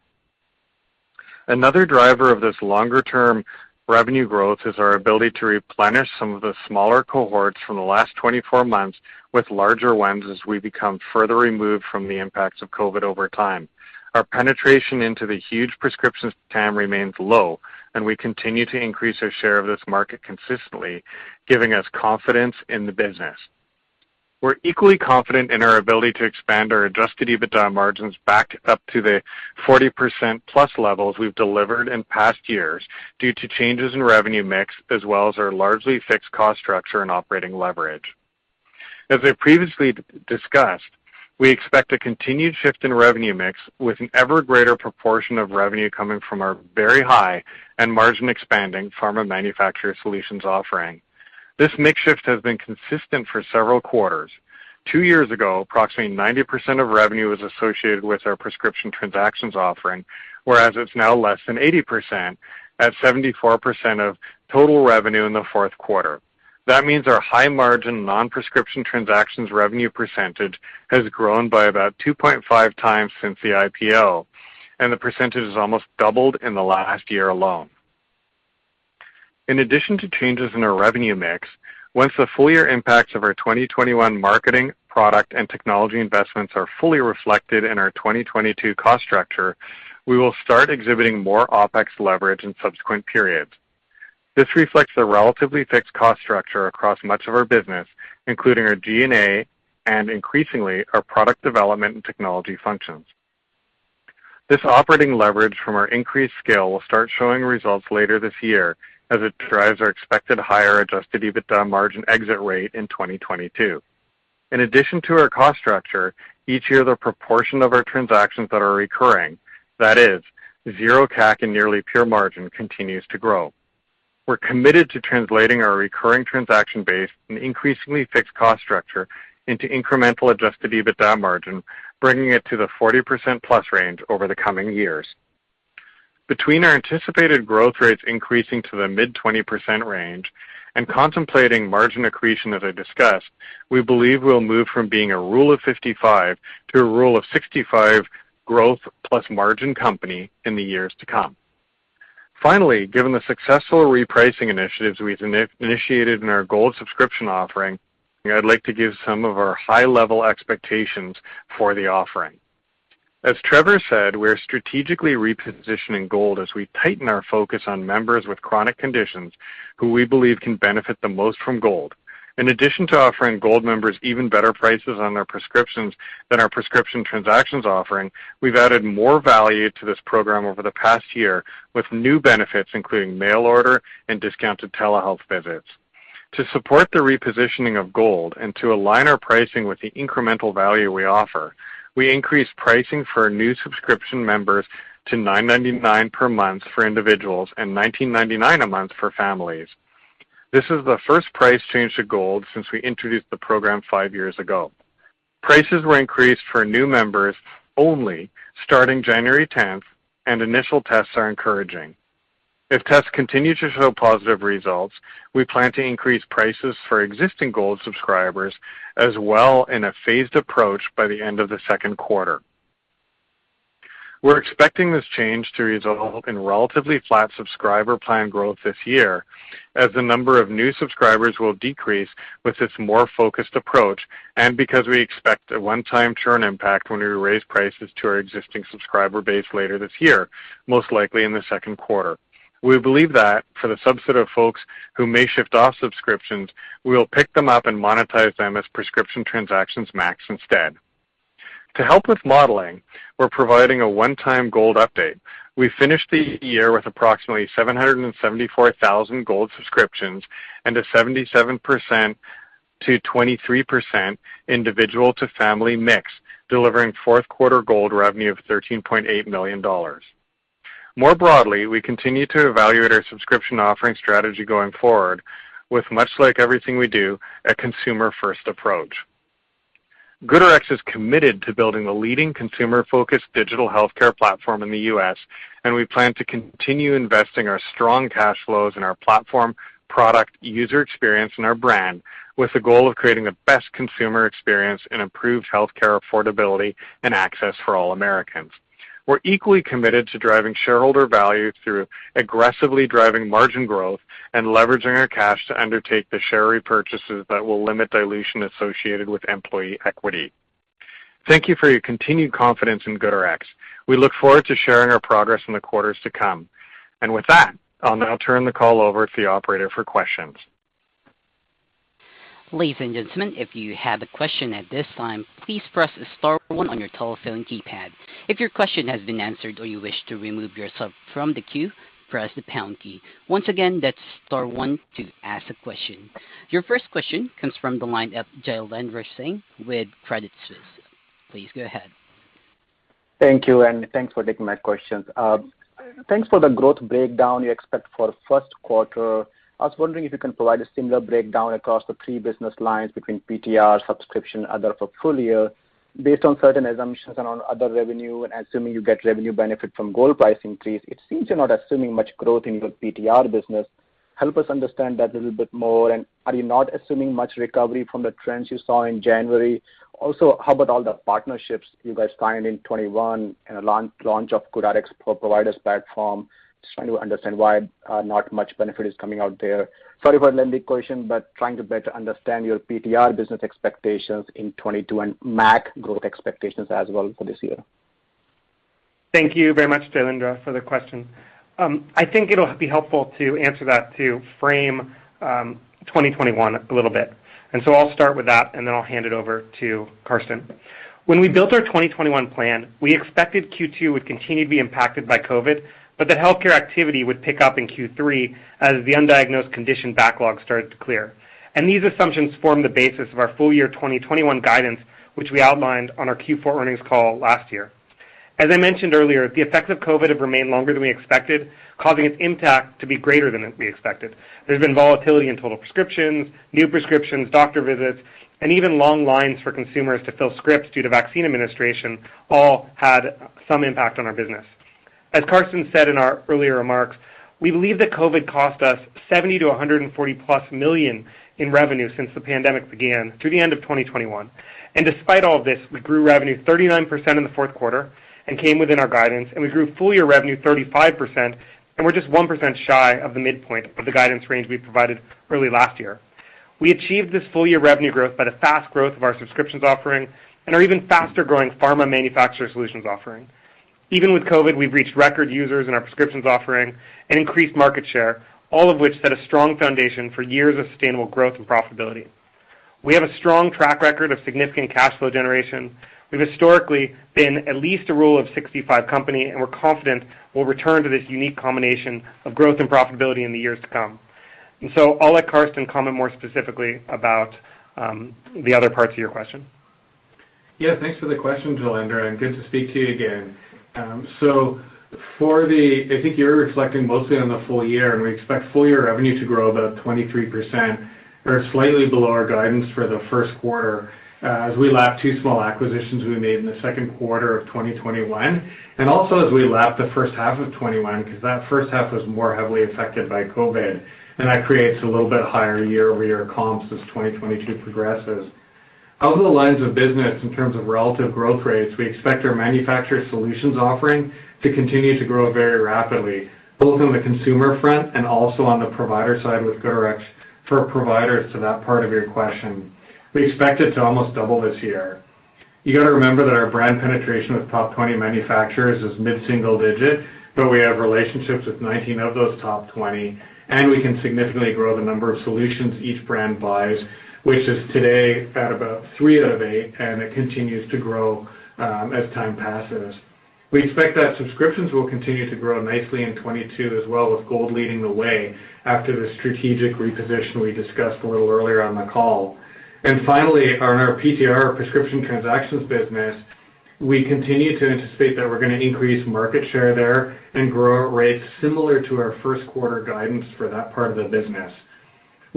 Another driver of this longer-term revenue growth is our ability to replenish some of the smaller cohorts from the last 24 months with larger ones as we become further removed from the impacts of COVID over time. Our penetration into the huge prescriptions TAM remains low, and we continue to increase our share of this market consistently, giving us confidence in the business. We're equally confident in our ability to expand our adjusted EBITDA margins back up to the 40%+ levels we've delivered in past years due to changes in revenue mix as well as our largely fixed cost structure and operating leverage. As I previously discussed, we expect a continued shift in revenue mix with an ever greater proportion of revenue coming from our very high and margin expanding pharma manufacturer solutions offering. This mix shift has been consistent for several quarters. Two years ago, approximately 90% of revenue was associated with our prescription transactions offering, whereas it's now less than 80% at 74% of total revenue in the fourth quarter. That means our high margin non-prescription transactions revenue percentage has grown by about 2.5 times since the IPO, and the percentage has almost doubled in the last year alone. In addition to changes in our revenue mix, once the full year impacts of our 2021 marketing, product, and technology investments are fully reflected in our 2022 cost structure, we will start exhibiting more OpEx leverage in subsequent periods. This reflects the relatively fixed cost structure across much of our business, including our G&A and increasingly our product development and technology functions. This operating leverage from our increased scale will start showing results later this year as it drives our expected higher adjusted EBITDA margin exit rate in 2022. In addition to our cost structure, each year the proportion of our transactions that are recurring, that is 0 CAC and nearly pure margin, continues to grow. We're committed to translating our recurring transaction base and increasingly fixed cost structure into incremental adjusted EBITDA margin, bringing it to the 40%+ range over the coming years. Between our anticipated growth rates increasing to the mid-20% range and contemplating margin accretion as I discussed, we believe we'll move from being a rule of 55 to a rule of 65 growth plus margin company in the years to come. Finally, given the successful repricing initiatives we've initiated in our Gold subscription offering, I'd like to give some of our high-level expectations for the offering. As Trevor said, we're strategically repositioning Gold as we tighten our focus on members with chronic conditions who we believe can benefit the most from Gold. In addition to offering Gold members even better prices on their prescriptions than our prescription transactions offering, we've added more value to this program over the past year with new benefits, including mail order and discounted telehealth visits. To support the repositioning of Gold and to align our pricing with the incremental value we offer, we increased pricing for new subscription members to $9.99 per month for individuals and $19.99 a month for families. This is the first price change to Gold since we introduced the program five years ago. Prices were increased for new members only starting January 10th, and initial tests are encouraging. If tests continue to show positive results, we plan to increase prices for existing Gold subscribers as well in a phased approach by the end of the second quarter. We're expecting this change to result in relatively flat subscriber plan growth this year as the number of new subscribers will decrease with this more focused approach and because we expect a one-time churn impact when we raise prices to our existing subscriber base later this year, most likely in the second quarter. We believe that for the subset of folks who may shift off subscriptions, we will pick them up and monetize them as prescription transactions MACs instead. To help with modeling, we're providing a one-time Gold update. We finished the year with approximately 774,000 Gold subscriptions and a 77%-23% individual to family mix, delivering fourth quarter Gold revenue of $13.8 million. More broadly, we continue to evaluate our subscription offering strategy going forward with, much like everything we do, a consumer-first approach. GoodRx is committed to building a leading consumer-focused digital healthcare platform in the U.S., and we plan to continue investing our strong cash flows in our platform, product, user experience, and our brand, with the goal of creating the best consumer experience and improved healthcare affordability and access for all Americans. We're equally committed to driving shareholder value through aggressively driving margin growth and leveraging our cash to undertake the share repurchases that will limit dilution associated with employee equity. Thank you for your continued confidence in GoodRx. We look forward to sharing our progress in the quarters to come. With that, I'll now turn the call over to the operator for questions. Ladies and gentlemen, if you have a question at this time, please press star one on your telephone keypad. If your question has been answered or you wish to remove yourself from the queue, press the pound key. Once again, that's star one to ask a question. Your first question comes from the line of Jailendra Singh with Credit Suisse. Please go ahead. Thank you, and thanks for taking my questions. Thanks for the growth breakdown you expect for first quarter. I was wondering if you can provide a similar breakdown across the three business lines between PTR, subscription, other full year based on certain assumptions and on other revenue and assuming you get revenue benefit from GoodRx Gold price increase. It seems you're not assuming much growth in your PTR business. Help us understand that a little bit more. Are you not assuming much recovery from the trends you saw in January? Also, how about all the partnerships you guys signed in 2021 and a launch of GoodRx for Providers platform? Just trying to understand why, not much benefit is coming out there. Sorry for a lengthy question, but trying to better understand your PTR business expectations in 2022 and MAC growth expectations as well for this year. Thank you very much, Jailendra, for the question. I think it'll be helpful to answer that to frame 2021 a little bit. I'll start with that, and then I'll hand it over to Karsten. When we built our 2021 plan, we expected Q2 would continue to be impacted by COVID, but the healthcare activity would pick up in Q3 as the undiagnosed condition backlog started to clear. These assumptions form the basis of our full year 2021 guidance, which we outlined on our Q4 earnings call last year. As I mentioned earlier, the effects of COVID have remained longer than we expected, causing its impact to be greater than we expected. There's been volatility in total prescriptions, new prescriptions, doctor visits, and even long lines for consumers to fill scripts due to vaccine administration, all had some impact on our business. As Karsten said in our earlier remarks, we believe that COVID cost us $70 million-$140 million+ in revenue since the pandemic began through the end of 2021. Despite all of this, we grew revenue 39% in the fourth quarter and came within our guidance, and we grew full year revenue 35%, and we're just 1% shy of the midpoint of the guidance range we provided early last year. We achieved this full year revenue growth by the fast growth of our subscriptions offering and our even faster-growing pharma manufacturer solutions offering. Even with COVID, we've reached record users in our prescriptions offering and increased market share, all of which set a strong foundation for years of sustainable growth and profitability. We have a strong track record of significant cash flow generation. We've historically been at least a rule of 65 company, and we're confident we'll return to this unique combination of growth and profitability in the years to come. I'll let Karsten comment more specifically about the other parts of your question. Yeah, thanks for the question, Jailendra, and good to speak to you again. I think you're reflecting mostly on the full year, and we expect full year revenue to grow about 23% or slightly below our guidance for the first quarter, as we lap two small acquisitions we made in the second quarter of 2021, and also as we lap the first half of 2021, 'cause that first half was more heavily affected by COVID, and that creates a little bit higher year-over-year comps as 2022 progresses. Out of the lines of business in terms of relative growth rates, we expect our manufacturer solutions offering to continue to grow very rapidly, both on the consumer front and also on the provider side with GoodRx for Providers to that part of your question. We expect it to almost double this year. You gotta remember that our brand penetration with top 20 manufacturers is mid-single digit, but we have relationships with 19 of those top 20, and we can significantly grow the number of solutions each brand buys, which is today at about three out of eight, and it continues to grow as time passes. We expect that subscriptions will continue to grow nicely in 2022 as well with Gold leading the way after the strategic reposition we discussed a little earlier on the call. Finally, on our PTR prescription transactions business, we continue to anticipate that we're gonna increase market share there and grow at rates similar to our first quarter guidance for that part of the business.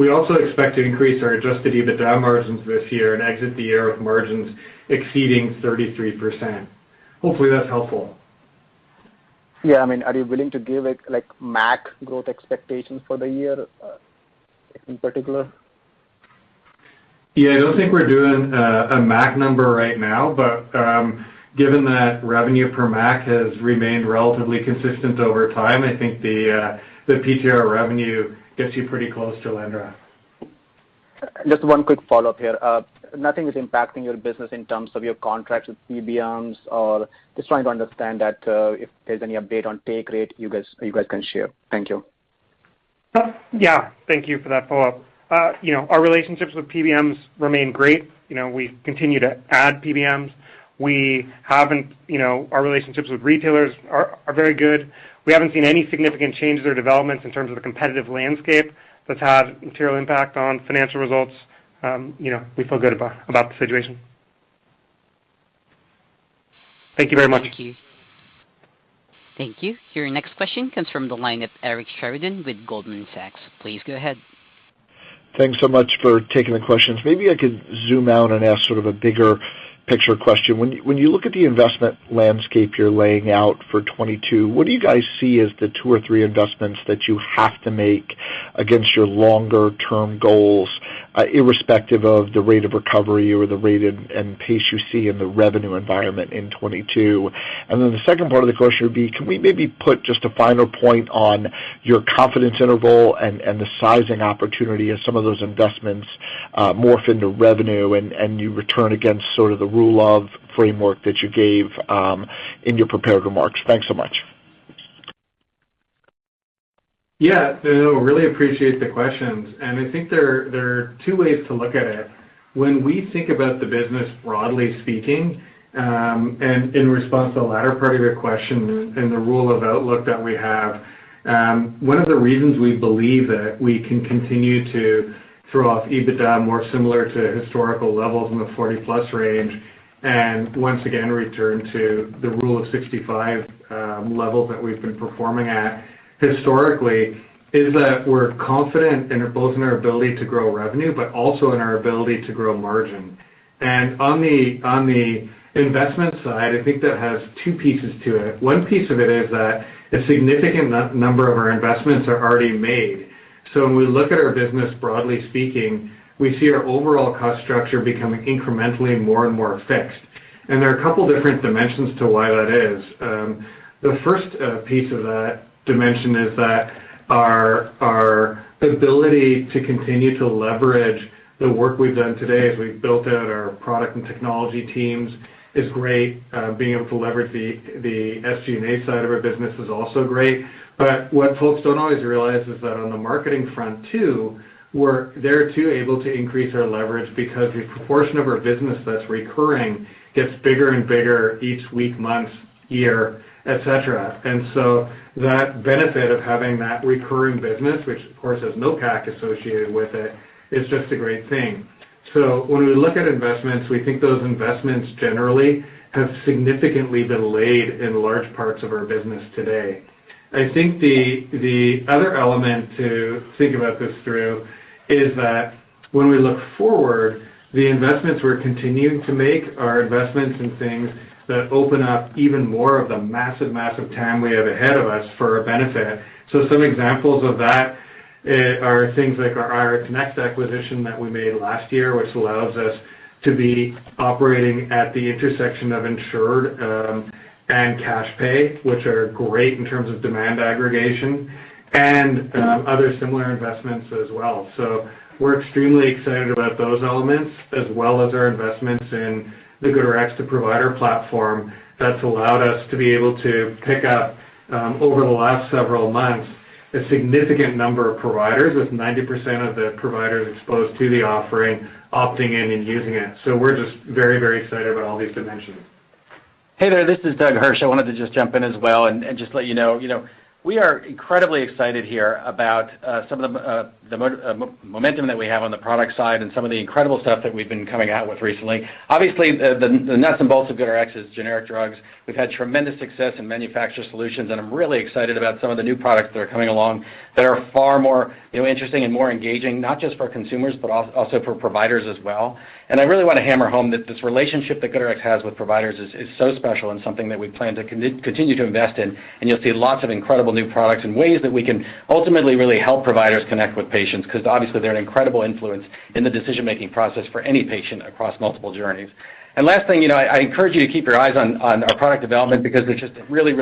We also expect to increase our adjusted EBITDA margins this year and exit the year with margins exceeding 33%. Hopefully, that's helpful. Yeah. I mean, are you willing to give like MAC growth expectations for the year, in particular? Yeah. I don't think we're doing a MAC number right now. Given that revenue per MAC has remained relatively consistent over time, I think the PTR revenue gets you pretty close, Jailendra. Just one quick follow-up here. Nothing is impacting your business in terms of your contracts with PBMs or just trying to understand that, if there's any update on take rate you guys can share. Thank you. Yeah, thank you for that follow-up. You know, our relationships with PBMs remain great. You know, we continue to add PBMs. Our relationships with retailers are very good. We haven't seen any significant changes or developments in terms of the competitive landscape that's had material impact on financial results. You know, we feel good about the situation. Thank you very much. Thank you. Thank you. Your next question comes from the line of Eric Sheridan with Goldman Sachs. Please go ahead. Thanks so much for taking the questions. Maybe I could zoom out and ask sort of a bigger picture question. When you look at the investment landscape you're laying out for 2022, what do you guys see as the two or three investments that you have to make against your longer term goals, irrespective of the rate of recovery or the rate and pace you see in the revenue environment in 2022? Then the second part of the question would be, can we maybe put just a finer point on your confidence interval and the sizing opportunity as some of those investments morph into revenue and you return against sort of the Rule of 40 framework that you gave in your prepared remarks? Thanks so much. Yeah. No, I really appreciate the questions. I think there are two ways to look at it. When we think about the business broadly speaking, and in response to the latter part of your question and the Rule of 40 outlook that we have, one of the reasons we believe that we can continue to throw off EBITDA more similar to historical levels in the 40+% range, and once again return to the Rule of 65 level that we've been performing at historically, is that we're confident in both our ability to grow revenue, but also in our ability to grow margin. On the investment side, I think that has two pieces to it. One piece of it is that a significant number of our investments are already made. When we look at our business broadly speaking, we see our overall cost structure becoming incrementally more and more fixed. There are a couple different dimensions to why that is. The first piece of that dimension is that our ability to continue to leverage the work we've done today as we've built out our product and technology teams is great. Being able to leverage the SG&A side of our business is also great. What folks don't always realize is that on the marketing front too, we're able to increase our leverage because the proportion of our business that's recurring gets bigger and bigger each week, month, year, et cetera. That benefit of having that recurring business, which of course has no CAC associated with it, is just a great thing. When we look at investments, we think those investments generally have significantly been laid in large parts of our business today. I think the other element to think about this through is that when we look forward, the investments we're continuing to make are investments in things that open up even more of the massive TAM we have ahead of us for our benefit. Some examples of that are things like our RxNXT acquisition that we made last year, which allows us to be operating at the intersection of insured and cash pay, which are great in terms of demand aggregation and other similar investments as well. We're extremely excited about those elements as well as our investments in the GoodRx for Providers platform that's allowed us to be able to pick up, over the last several months, a significant number of providers with 90% of the providers exposed to the offering, opting in and using it. We're just very excited about all these dimensions. Hey there, this is Doug Hirsch. I wanted to just jump in as well and just let you know, you know, we are incredibly excited here about some of the momentum that we have on the product side and some of the incredible stuff that we've been coming out with recently. Obviously, the nuts and bolts of GoodRx is generic drugs. We've had tremendous success in manufacturer solutions, and I'm really excited about some of the new products that are coming along that are far more, you know, interesting and more engaging, not just for consumers, but also for providers as well. I really wanna hammer home that this relationship that GoodRx has with providers is so special and something that we plan to continue to invest in. You'll see lots of incredible new products and ways that we can ultimately really help providers connect with patients, 'cause obviously they're an incredible influence in the decision-making process for any patient across multiple journeys. Last thing, you know, I encourage you to keep your eyes on our product development because there's just really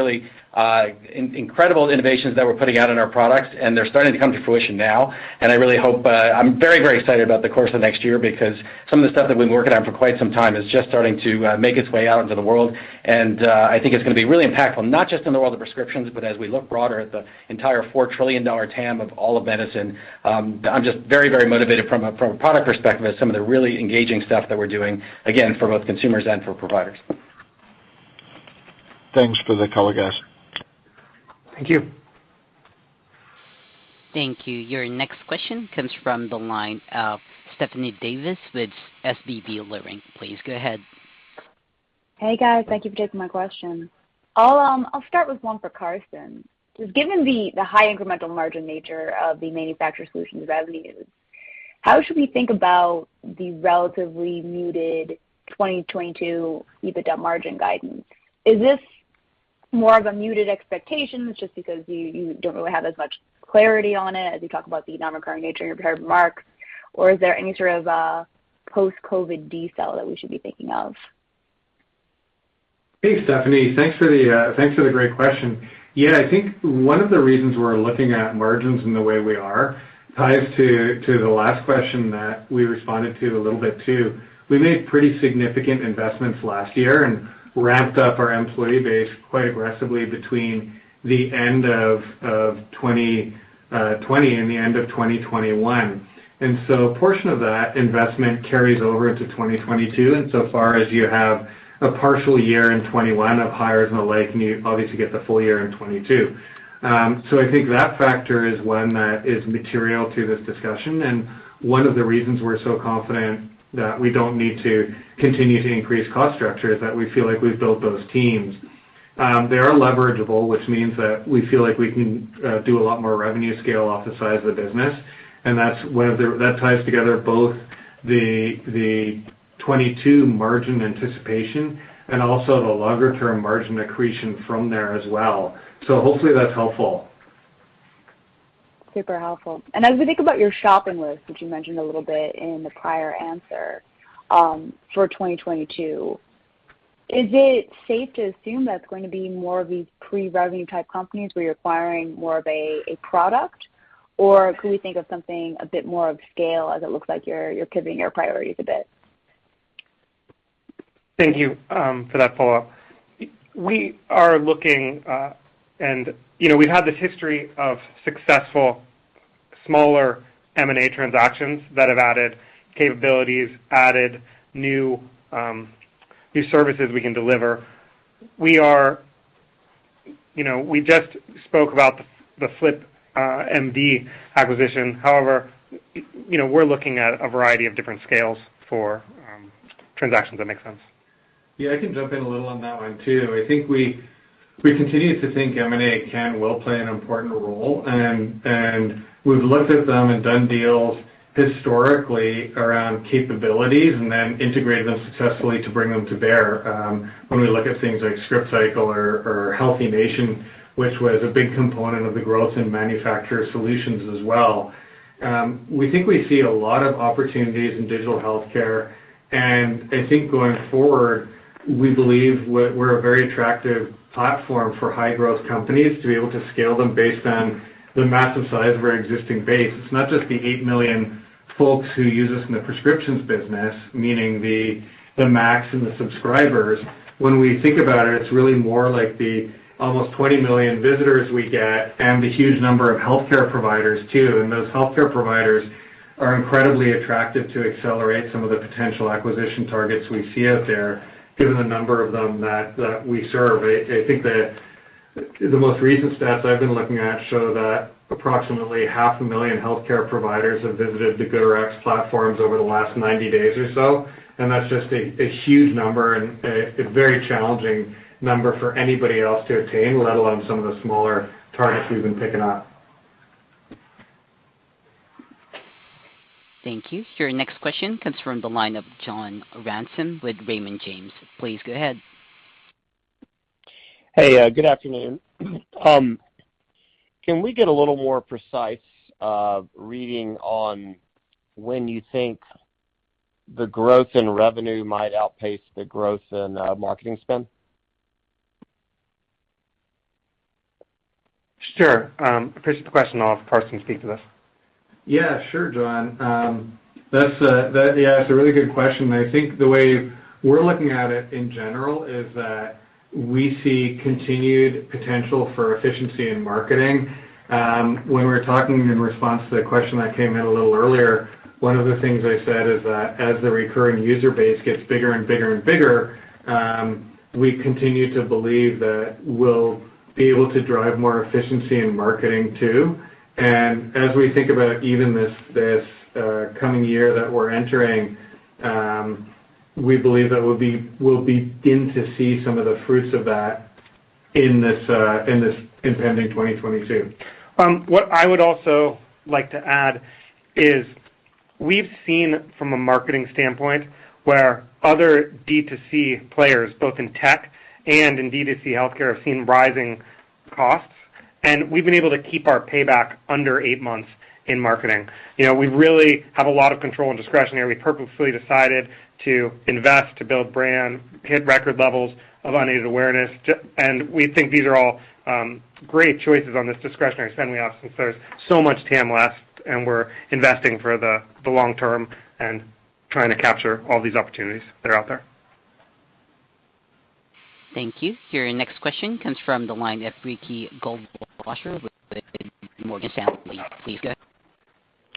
incredible innovations that we're putting out in our products, and they're starting to come to fruition now. I really hope. I'm very excited about the course of next year because some of the stuff that we've been working on for quite some time is just starting to make its way out into the world. I think it's gonna be really impactful, not just in the world of prescriptions, but as we look broader at the entire $4 trillion TAM of all of medicine. I'm just very, very motivated from a product perspective at some of the really engaging stuff that we're doing, again, for both consumers and for providers. Thanks for the color, guys. Thank you. Thank you. Your next question comes from the line of Stephanie Davis with SVB Leerink. Please go ahead. Hey, guys. Thank you for taking my question. I'll start with one for Karsten. Just given the high incremental margin nature of the manufacturer solutions revenues, how should we think about the relatively muted 2022 EBITDA margin guidance? Is this more of a muted expectation just because you don't really have as much clarity on it as you talk about the non-recurring nature in your prepared remarks? Or is there any sort of post-COVID decel that we should be thinking of? Hey, Stephanie. Thanks for the great question. Yeah, I think one of the reasons we're looking at margins in the way we are ties to the last question that we responded to a little bit too. We made pretty significant investments last year and ramped up our employee base quite aggressively between the end of 2020 and the end of 2021. A portion of that investment carries over into 2022. As far as you have a partial year in 2021 of hires and the like, and you obviously get the full year in 2022. I think that factor is one that is material to this discussion. One of the reasons we're so confident that we don't need to continue to increase cost structure is that we feel like we've built those teams. They are leverageable, which means that we feel like we can do a lot more revenue scale off the size of the business, and that's one of the that ties together both the 2022 margin anticipation and also the longer-term margin accretion from there as well. Hopefully that's helpful. Super helpful. As we think about your shopping list, which you mentioned a little bit in the prior answer, for 2022, is it safe to assume that's going to be more of these pre-revenue type companies where you're acquiring more of a product? Or could we think of something a bit more of scale as it looks like you're pivoting your priorities a bit? Thank you for that follow-up. We are looking, you know, we've had this history of successful smaller M&A transactions that have added capabilities, added new services we can deliver. We are, you know, we just spoke about the flipMD acquisition. However, you know, we're looking at a variety of different scales for transactions that make sense. Yeah, I can jump in a little on that one too. I think we continue to think M&A can and will play an important role. We've looked at them and done deals historically around capabilities and then integrated them successfully to bring them to bear, when we look at things like Scriptcycle or HealthiNation, which was a big component of the growth in manufacturer solutions as well. We think we see a lot of opportunities in digital healthcare, and I think going forward, we believe we're a very attractive platform for high-growth companies to be able to scale them based on the massive size of our existing base. It's not just the 8 million folks who use us in the prescriptions business, meaning the MACs and the subscribers. When we think about it's really more like the almost 20 million visitors we get and the huge number of healthcare providers too. Those healthcare providers are incredibly attractive to accelerate some of the potential acquisition targets we see out there, given the number of them that we serve. I think the most recent stats I've been looking at show that approximately 500,000 healthcare providers have visited the GoodRx platforms over the last 90 days or so. That's just a huge number and a very challenging number for anybody else to attain, let alone some of the smaller targets we've been picking up. Thank you. Your next question comes from the line of John Ransom with Raymond James. Please go ahead. Hey, good afternoon. Can we get a little more precise reading on when you think the growth in revenue might outpace the growth in marketing spend? Sure. I appreciate the question, and I'll have Karsten speak to this. Yeah, sure, John. That's a really good question. I think the way we're looking at it in general is that we see continued potential for efficiency in marketing. When we were talking in response to the question that came in a little earlier, one of the things I said is that as the recurring user base gets bigger, we continue to believe that we'll be able to drive more efficiency in marketing too. As we think about even this coming year that we're entering, we believe that we'll begin to see some of the fruits of that in this impending 2022. What I would also like to add is we've seen from a marketing standpoint where other D2C players, both in tech and in D2C healthcare, have seen rising costs, and we've been able to keep our payback under eight months in marketing. You know, we really have a lot of control and discretionary. We purposefully decided to invest to build brand, hit record levels of unaided awareness and we think these are all great choices on this discretionary spend we have since there's so much TAM left, and we're investing for the long term and trying to capture all these opportunities that are out there. Thank you. Your next question comes from the line of Ricky Goldwasser with Morgan Stanley. Please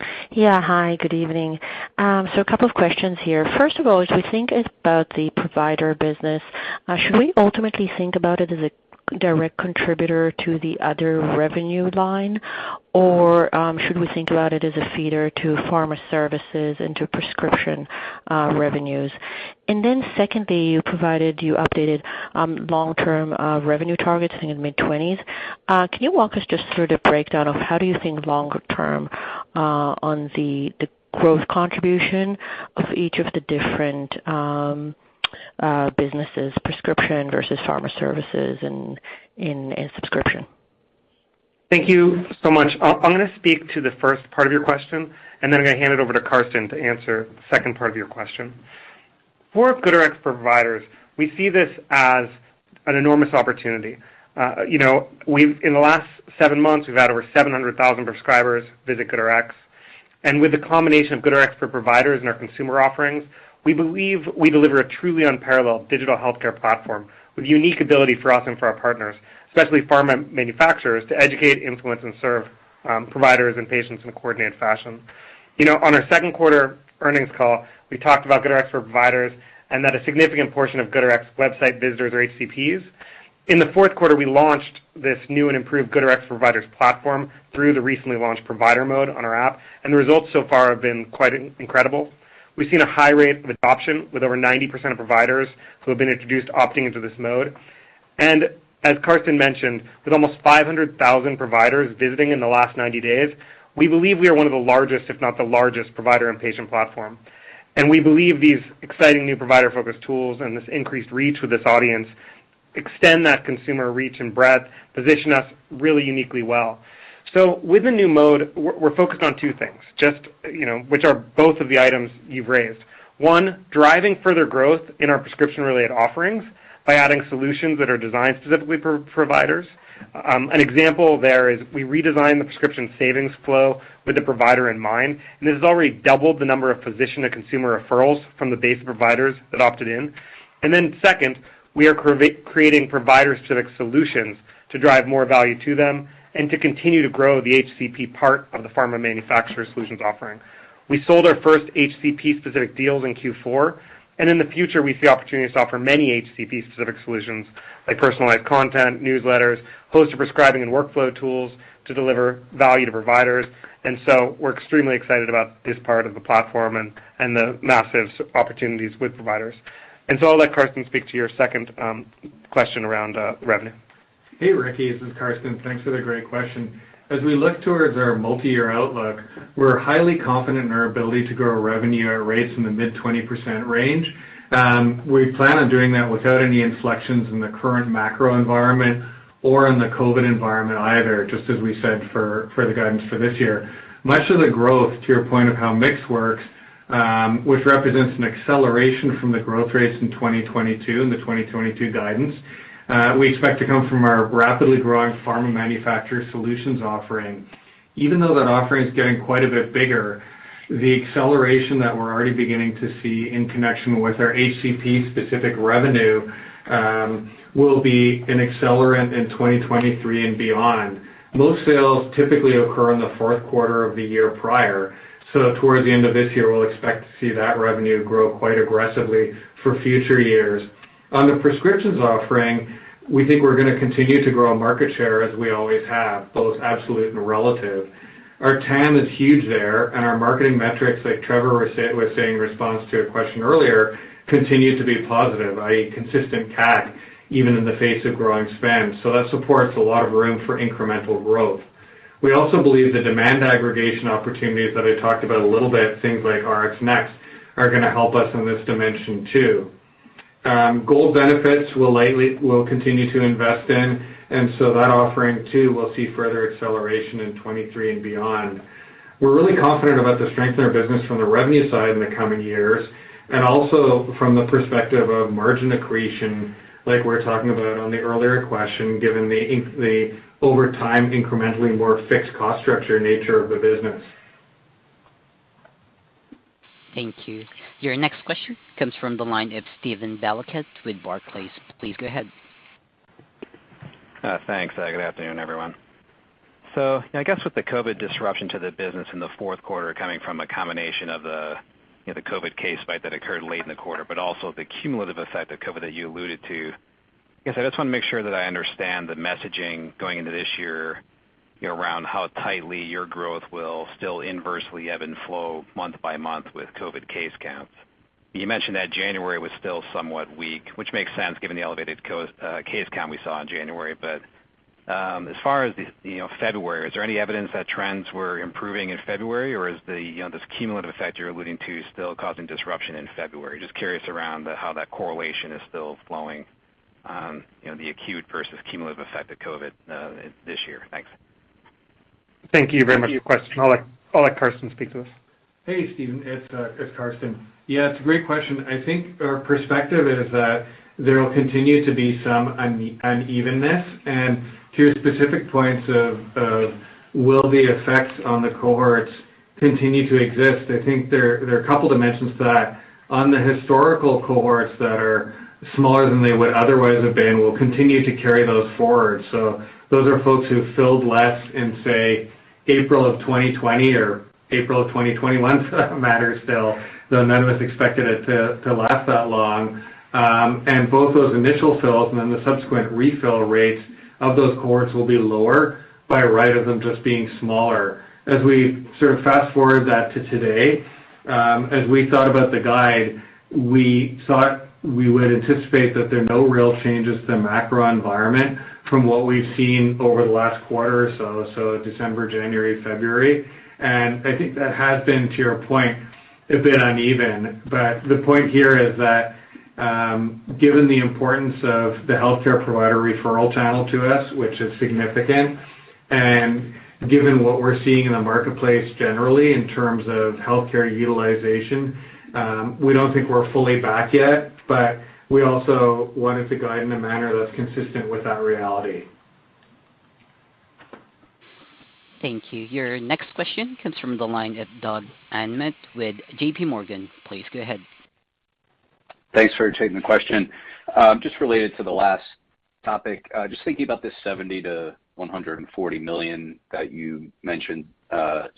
go ahead. Yeah. Hi, good evening. So a couple of questions here. First of all, as we think about the provider business, should we ultimately think about it as a direct contributor to the other revenue line? Or, should we think about it as a feeder to pharma services and to prescription revenues? And then secondly, you updated long-term revenue targets in the mid-twenties. Can you walk us just through the breakdown of how do you think longer term on the growth contribution of each of the different businesses, prescription versus pharma services and subscription? Thank you so much. I'm gonna speak to the first part of your question, and then I'm gonna hand it over to Karsten to answer the second part of your question. For GoodRx for Providers, we see this as an enormous opportunity. In the last seven months, we've had over 700,000 prescribers visit GoodRx. With the combination of GoodRx for Providers and our consumer offerings, we believe we deliver a truly unparalleled digital healthcare platform with unique ability for us and for our partners, especially pharma manufacturers, to educate, influence, and serve providers and patients in a coordinated fashion. On our second quarter earnings call, we talked about GoodRx for Providers and that a significant portion of GoodRx website visitors are HCPs. In the fourth quarter, we launched this new and improved GoodRx Providers platform through the recently launched Provider mode on our app, and the results so far have been quite incredible. We've seen a high rate of adoption with over 90% of providers who have been introduced opting into this mode. As Karsten mentioned, with almost 500,000 providers visiting in the last 90 days, we believe we are one of the largest, if not the largest provider and patient platform. We believe these exciting new provider-focused tools and this increased reach with this audience extend that consumer reach and breadth, position us really uniquely well. With the new mode, we're focused on two things, just, you know, which are both of the items you've raised. One, driving further growth in our prescription-related offerings by adding solutions that are designed specifically for providers. An example there is we redesigned the prescription savings flow with the provider in mind, and this has already doubled the number of physician to consumer referrals from the base providers that opted in. Then second, we are creating provider-specific solutions to drive more value to them and to continue to grow the HCP part of the pharma manufacturer solutions offering. We sold our first HCP-specific deals in Q4, and in the future we see opportunities to offer many HCP specific solutions like personalized content, newsletters, closer prescribing and workflow tools to deliver value to providers. We're extremely excited about this part of the platform and the massive opportunities with providers. I'll let Karsten speak to your second question around revenue. Hey, Ricky, this is Karsten. Thanks for the great question. As we look towards our multi-year outlook, we're highly confident in our ability to grow revenue at rates in the mid-20% range. We plan on doing that without any inflections in the current macro environment or in the COVID environment either, just as we said for the guidance for this year. Much of the growth, to your point of how mix works, which represents an acceleration from the growth rates in 2022 and the 2022 guidance, we expect to come from our rapidly growing pharma manufacturer solutions offering. Even though that offering is getting quite a bit bigger, the acceleration that we're already beginning to see in connection with our HCP specific revenue, will be an accelerant in 2023 and beyond. Most sales typically occur in the fourth quarter of the year prior, so towards the end of this year, we'll expect to see that revenue grow quite aggressively for future years. On the prescriptions offering, we think we're gonna continue to grow market share as we always have, both absolute and relative. Our TAM is huge there, and our marketing metrics, like Trevor was saying in response to a question earlier, continue to be positive, i.e., consistent CAC even in the face of growing spend. That supports a lot of room for incremental growth. We also believe the demand aggregation opportunities that I talked about a little bit, things like RxNXT, are gonna help us in this dimension too. Gold benefits we'll continue to invest in, and so that offering too will see further acceleration in 2023 and beyond. We're really confident about the strength of our business from the revenue side in the coming years and also from the perspective of margin accretion, like we're talking about on the earlier question, given the over time incrementally more fixed cost structure nature of the business. Thank you. Your next question comes from the line of Steven Valiquette with Barclays. Please go ahead. Thanks. Good afternoon, everyone. I guess with the COVID disruption to the business in the fourth quarter coming from a combination of the, you know, the COVID case spike that occurred late in the quarter, but also the cumulative effect of COVID that you alluded to, I guess I just want to make sure that I understand the messaging going into this year, you know, around how tightly your growth will still inversely ebb and flow month by month with COVID case counts. You mentioned that January was still somewhat weak, which makes sense given the elevated case count we saw in January. As far as, you know, February, is there any evidence that trends were improving in February, or is the, you know, this cumulative effect you're alluding to still causing disruption in February? Just curious around how that correlation is still flowing, you know, the acute versus cumulative effect of COVID, this year? Thanks. Thank you very much for your question. I'll let Karsten speak to this. Hey, Steven, it's Karsten. Yeah, it's a great question. I think our perspective is that there will continue to be some unevenness. To your specific points of will the effects on the cohorts continue to exist, I think there are a couple dimensions to that. On the historical cohorts that are smaller than they would otherwise have been, we'll continue to carry those forward. Those are folks who filled less in, say, April of 2020 or April of 2021 for that matter still, though none of us expected it to last that long. Both those initial fills and then the subsequent refill rates of those cohorts will be lower by virtue of them just being smaller. As we sort of fast-forward that to today, as we thought about the guide, we thought we would anticipate that there are no real changes to the macro environment from what we've seen over the last quarter or so December, January, February. I think that has been, to your point, a bit uneven. The point here is that, given the importance of the healthcare provider referral channel to us, which is significant, and given what we're seeing in the marketplace generally in terms of healthcare utilization, we don't think we're fully back yet, but we also wanted to guide in a manner that's consistent with that reality. Thank you. Your next question comes from the line of Doug Anmuth with JPMorgan. Please go ahead. Thanks for taking the question. Just related to the last topic, just thinking about this $70 million-$140 million that you mentioned,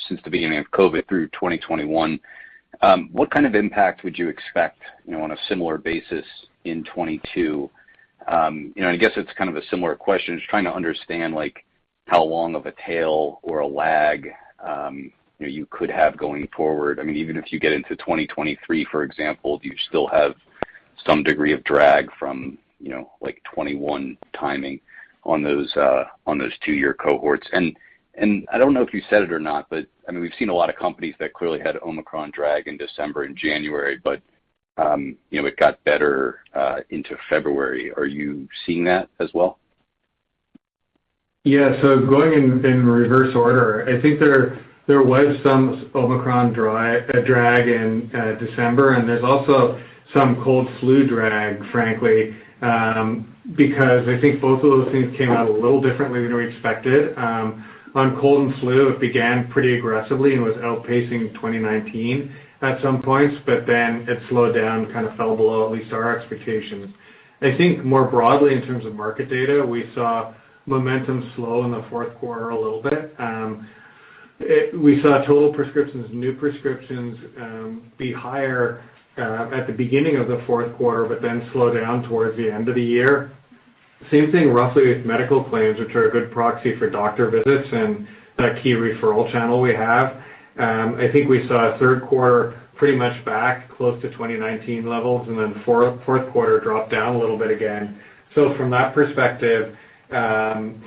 since the beginning of COVID through 2021. What kind of impact would you expect, you know, on a similar basis in 2022? You know, and I guess it's kind of a similar question, just trying to understand, like how long of a tail or a lag, you know, you could have going forward. I mean, even if you get into 2023, for example, do you still have some degree of drag from, you know, like 2021 timing on those two-year cohorts? I don't know if you said it or not, but I mean, we've seen a lot of companies that clearly had Omicron drag in December and January, but you know, it got better into February. Are you seeing that as well? Yeah. Going in reverse order, I think there was some Omicron drag in December, and there's also some cold and flu drag, frankly. Because I think both of those things came out a little differently than we expected. On cold and flu, it began pretty aggressively and was outpacing 2019 at some points, but then it slowed down, kind of fell below at least our expectations. I think more broadly, in terms of market data, we saw momentum slow in the fourth quarter a little bit. We saw total prescriptions, new prescriptions, be higher at the beginning of the fourth quarter, but then slow down towards the end of the year. Same thing roughly with medical claims, which are a good proxy for doctor visits and that key referral channel we have. I think we saw a third quarter pretty much back close to 2019 levels, and then fourth quarter dropped down a little bit again. From that perspective,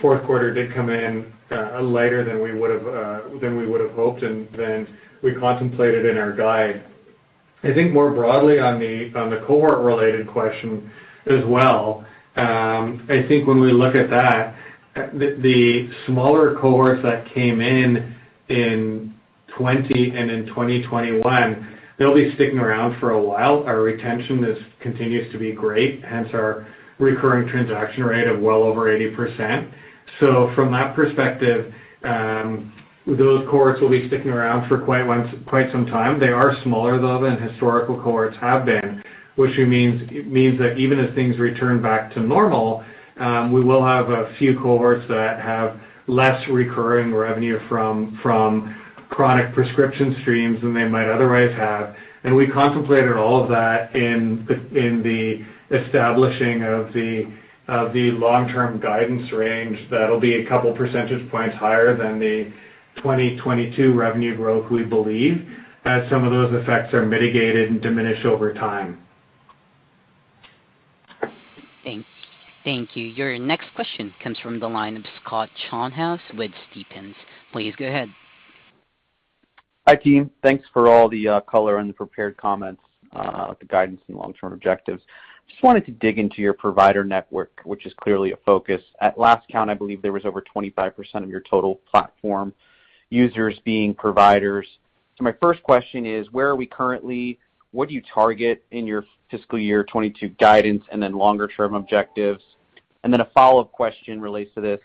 fourth quarter did come in lighter than we would've hoped and than we contemplated in our guide. I think more broadly on the cohort-related question as well, I think when we look at that, the smaller cohorts that came in in 2020 and in 2021, they'll be sticking around for a while. Our retention continues to be great, hence our recurring transaction rate of well over 80%. From that perspective, those cohorts will be sticking around for quite some time. They are smaller, though, than historical cohorts have been, which means that even as things return back to normal, we will have a few cohorts that have less recurring revenue from chronic prescription streams than they might otherwise have. We contemplated all of that in the establishing of the long-term guidance range that'll be a couple percentage points higher than the 2022 revenue growth we believe, as some of those effects are mitigated and diminish over time. Thank you. Your next question comes from the line of Scott Schoenhaus with Stephens. Please go ahead. Hi, team. Thanks for all the color and the prepared comments, the guidance and long-term objectives. Just wanted to dig into your provider network, which is clearly a focus. At last count, I believe there was over 25% of your total platform users being providers. My first question is, where are we currently? What do you target in your fiscal year 2022 guidance and then longer term objectives? A follow-up question relates to this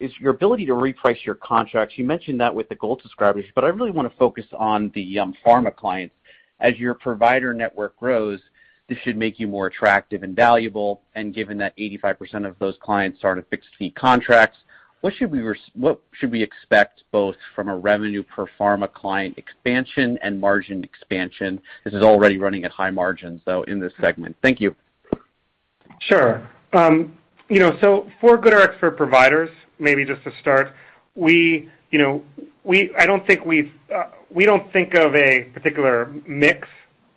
is your ability to reprice your contracts. You mentioned that with the gold subscribers, but I really want to focus on the pharma clients. As your provider network grows, this should make you more attractive and valuable. Given that 85% of those clients are at fixed fee contracts, what should we expect both from a revenue per pharma client expansion and margin expansion? This is already running at high margins, though, in this segment. Thank you. Sure. You know, for GoodRx for Providers, maybe just to start, we don't think of a particular mix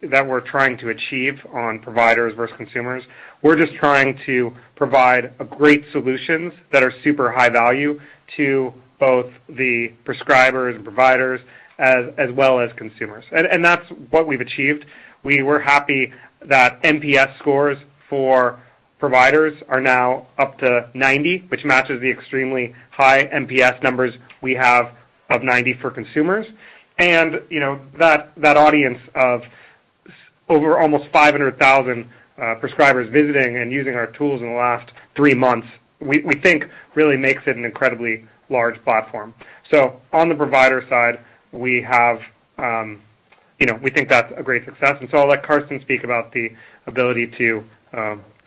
that we're trying to achieve on providers versus consumers. We're just trying to provide a great solutions that are super high value to both the prescribers and providers as well as consumers. That's what we've achieved. We were happy that NPS scores for providers are now up to 90, which matches the extremely high NPS numbers we have of 90 for consumers. You know, that audience of over almost 500,000 prescribers visiting and using our tools in the last three months, we think really makes it an incredibly large platform. On the provider side, we think that's a great success. I'll let Karsten speak about the ability to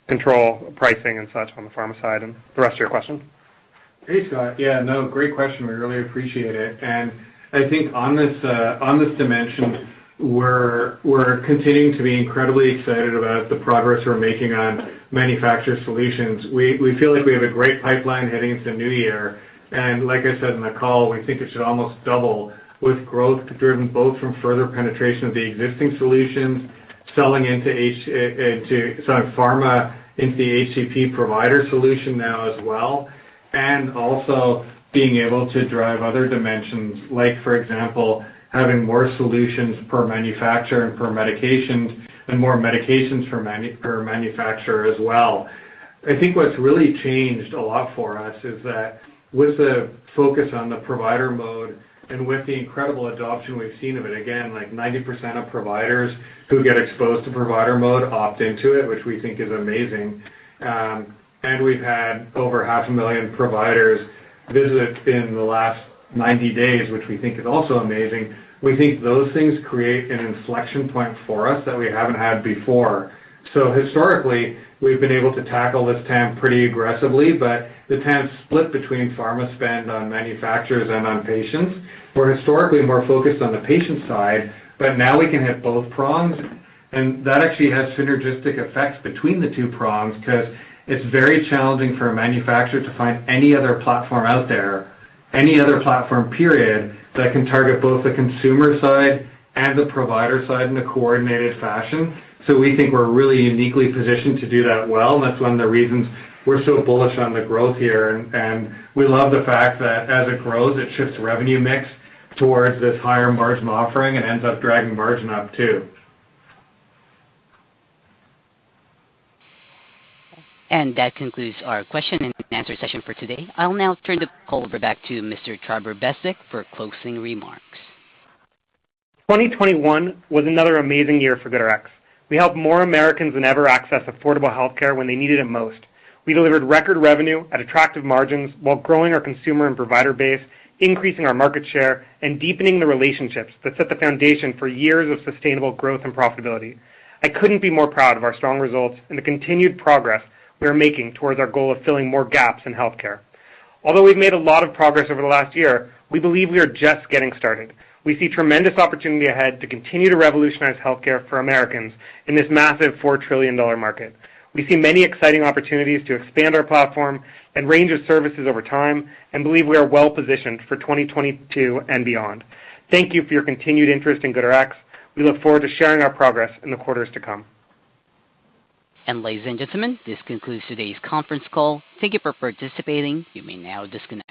control pricing and such on the pharma side and the rest of your question. Hey, Scott. Yeah, no, great question. We really appreciate it. I think on this dimension, we're continuing to be incredibly excited about the progress we're making on manufacturer solutions. We feel like we have a great pipeline heading into the new year. Like I said in the call, we think it should almost double with growth driven both from further penetration of the existing solutions, selling into pharma into the HCP provider solution now as well, and also being able to drive other dimensions, like for example, having more solutions per manufacturer and per medication and more medications per manufacturer as well. I think what's really changed a lot for us is that with the focus on the Provider mode and with the incredible adoption we've seen of it, again, like 90% of providers who get exposed to Provider mode opt into it, which we think is amazing. We've had over 500,000 providers visit in the last 90 days, which we think is also amazing. We think those things create an inflection point for us that we haven't had before. Historically, we've been able to tackle this TAM pretty aggressively, but the TAM's split between pharma spend on manufacturers and on patients. We're historically more focused on the patient side, but now we can hit both prongs. That actually has synergistic effects between the two prongs 'cause it's very challenging for a manufacturer to find any other platform out there, any other platform period, that can target both the consumer side and the provider side in a coordinated fashion. We think we're really uniquely positioned to do that well, and that's one of the reasons we're so bullish on the growth here. We love the fact that as it grows, it shifts revenue mix towards this higher margin offering and ends up dragging margin up too. That concludes our question and answer session for today. I'll now turn the call over back to Mr. Trevor Bezdek for closing remarks. 2021 was another amazing year for GoodRx. We helped more Americans than ever access affordable healthcare when they needed it most. We delivered record revenue at attractive margins while growing our consumer and provider base, increasing our market share, and deepening the relationships that set the foundation for years of sustainable growth and profitability. I couldn't be more proud of our strong results and the continued progress we are making towards our goal of filling more gaps in healthcare. Although we've made a lot of progress over the last year, we believe we are just getting started. We see tremendous opportunity ahead to continue to revolutionize healthcare for Americans in this massive $4 trillion market. We see many exciting opportunities to expand our platform and range of services over time, and believe we are well-positioned for 2022 and beyond. Thank you for your continued interest in GoodRx. We look forward to sharing our progress in the quarters to come. Ladies and gentlemen, this concludes today's conference call. Thank you for participating. You may now disconnect.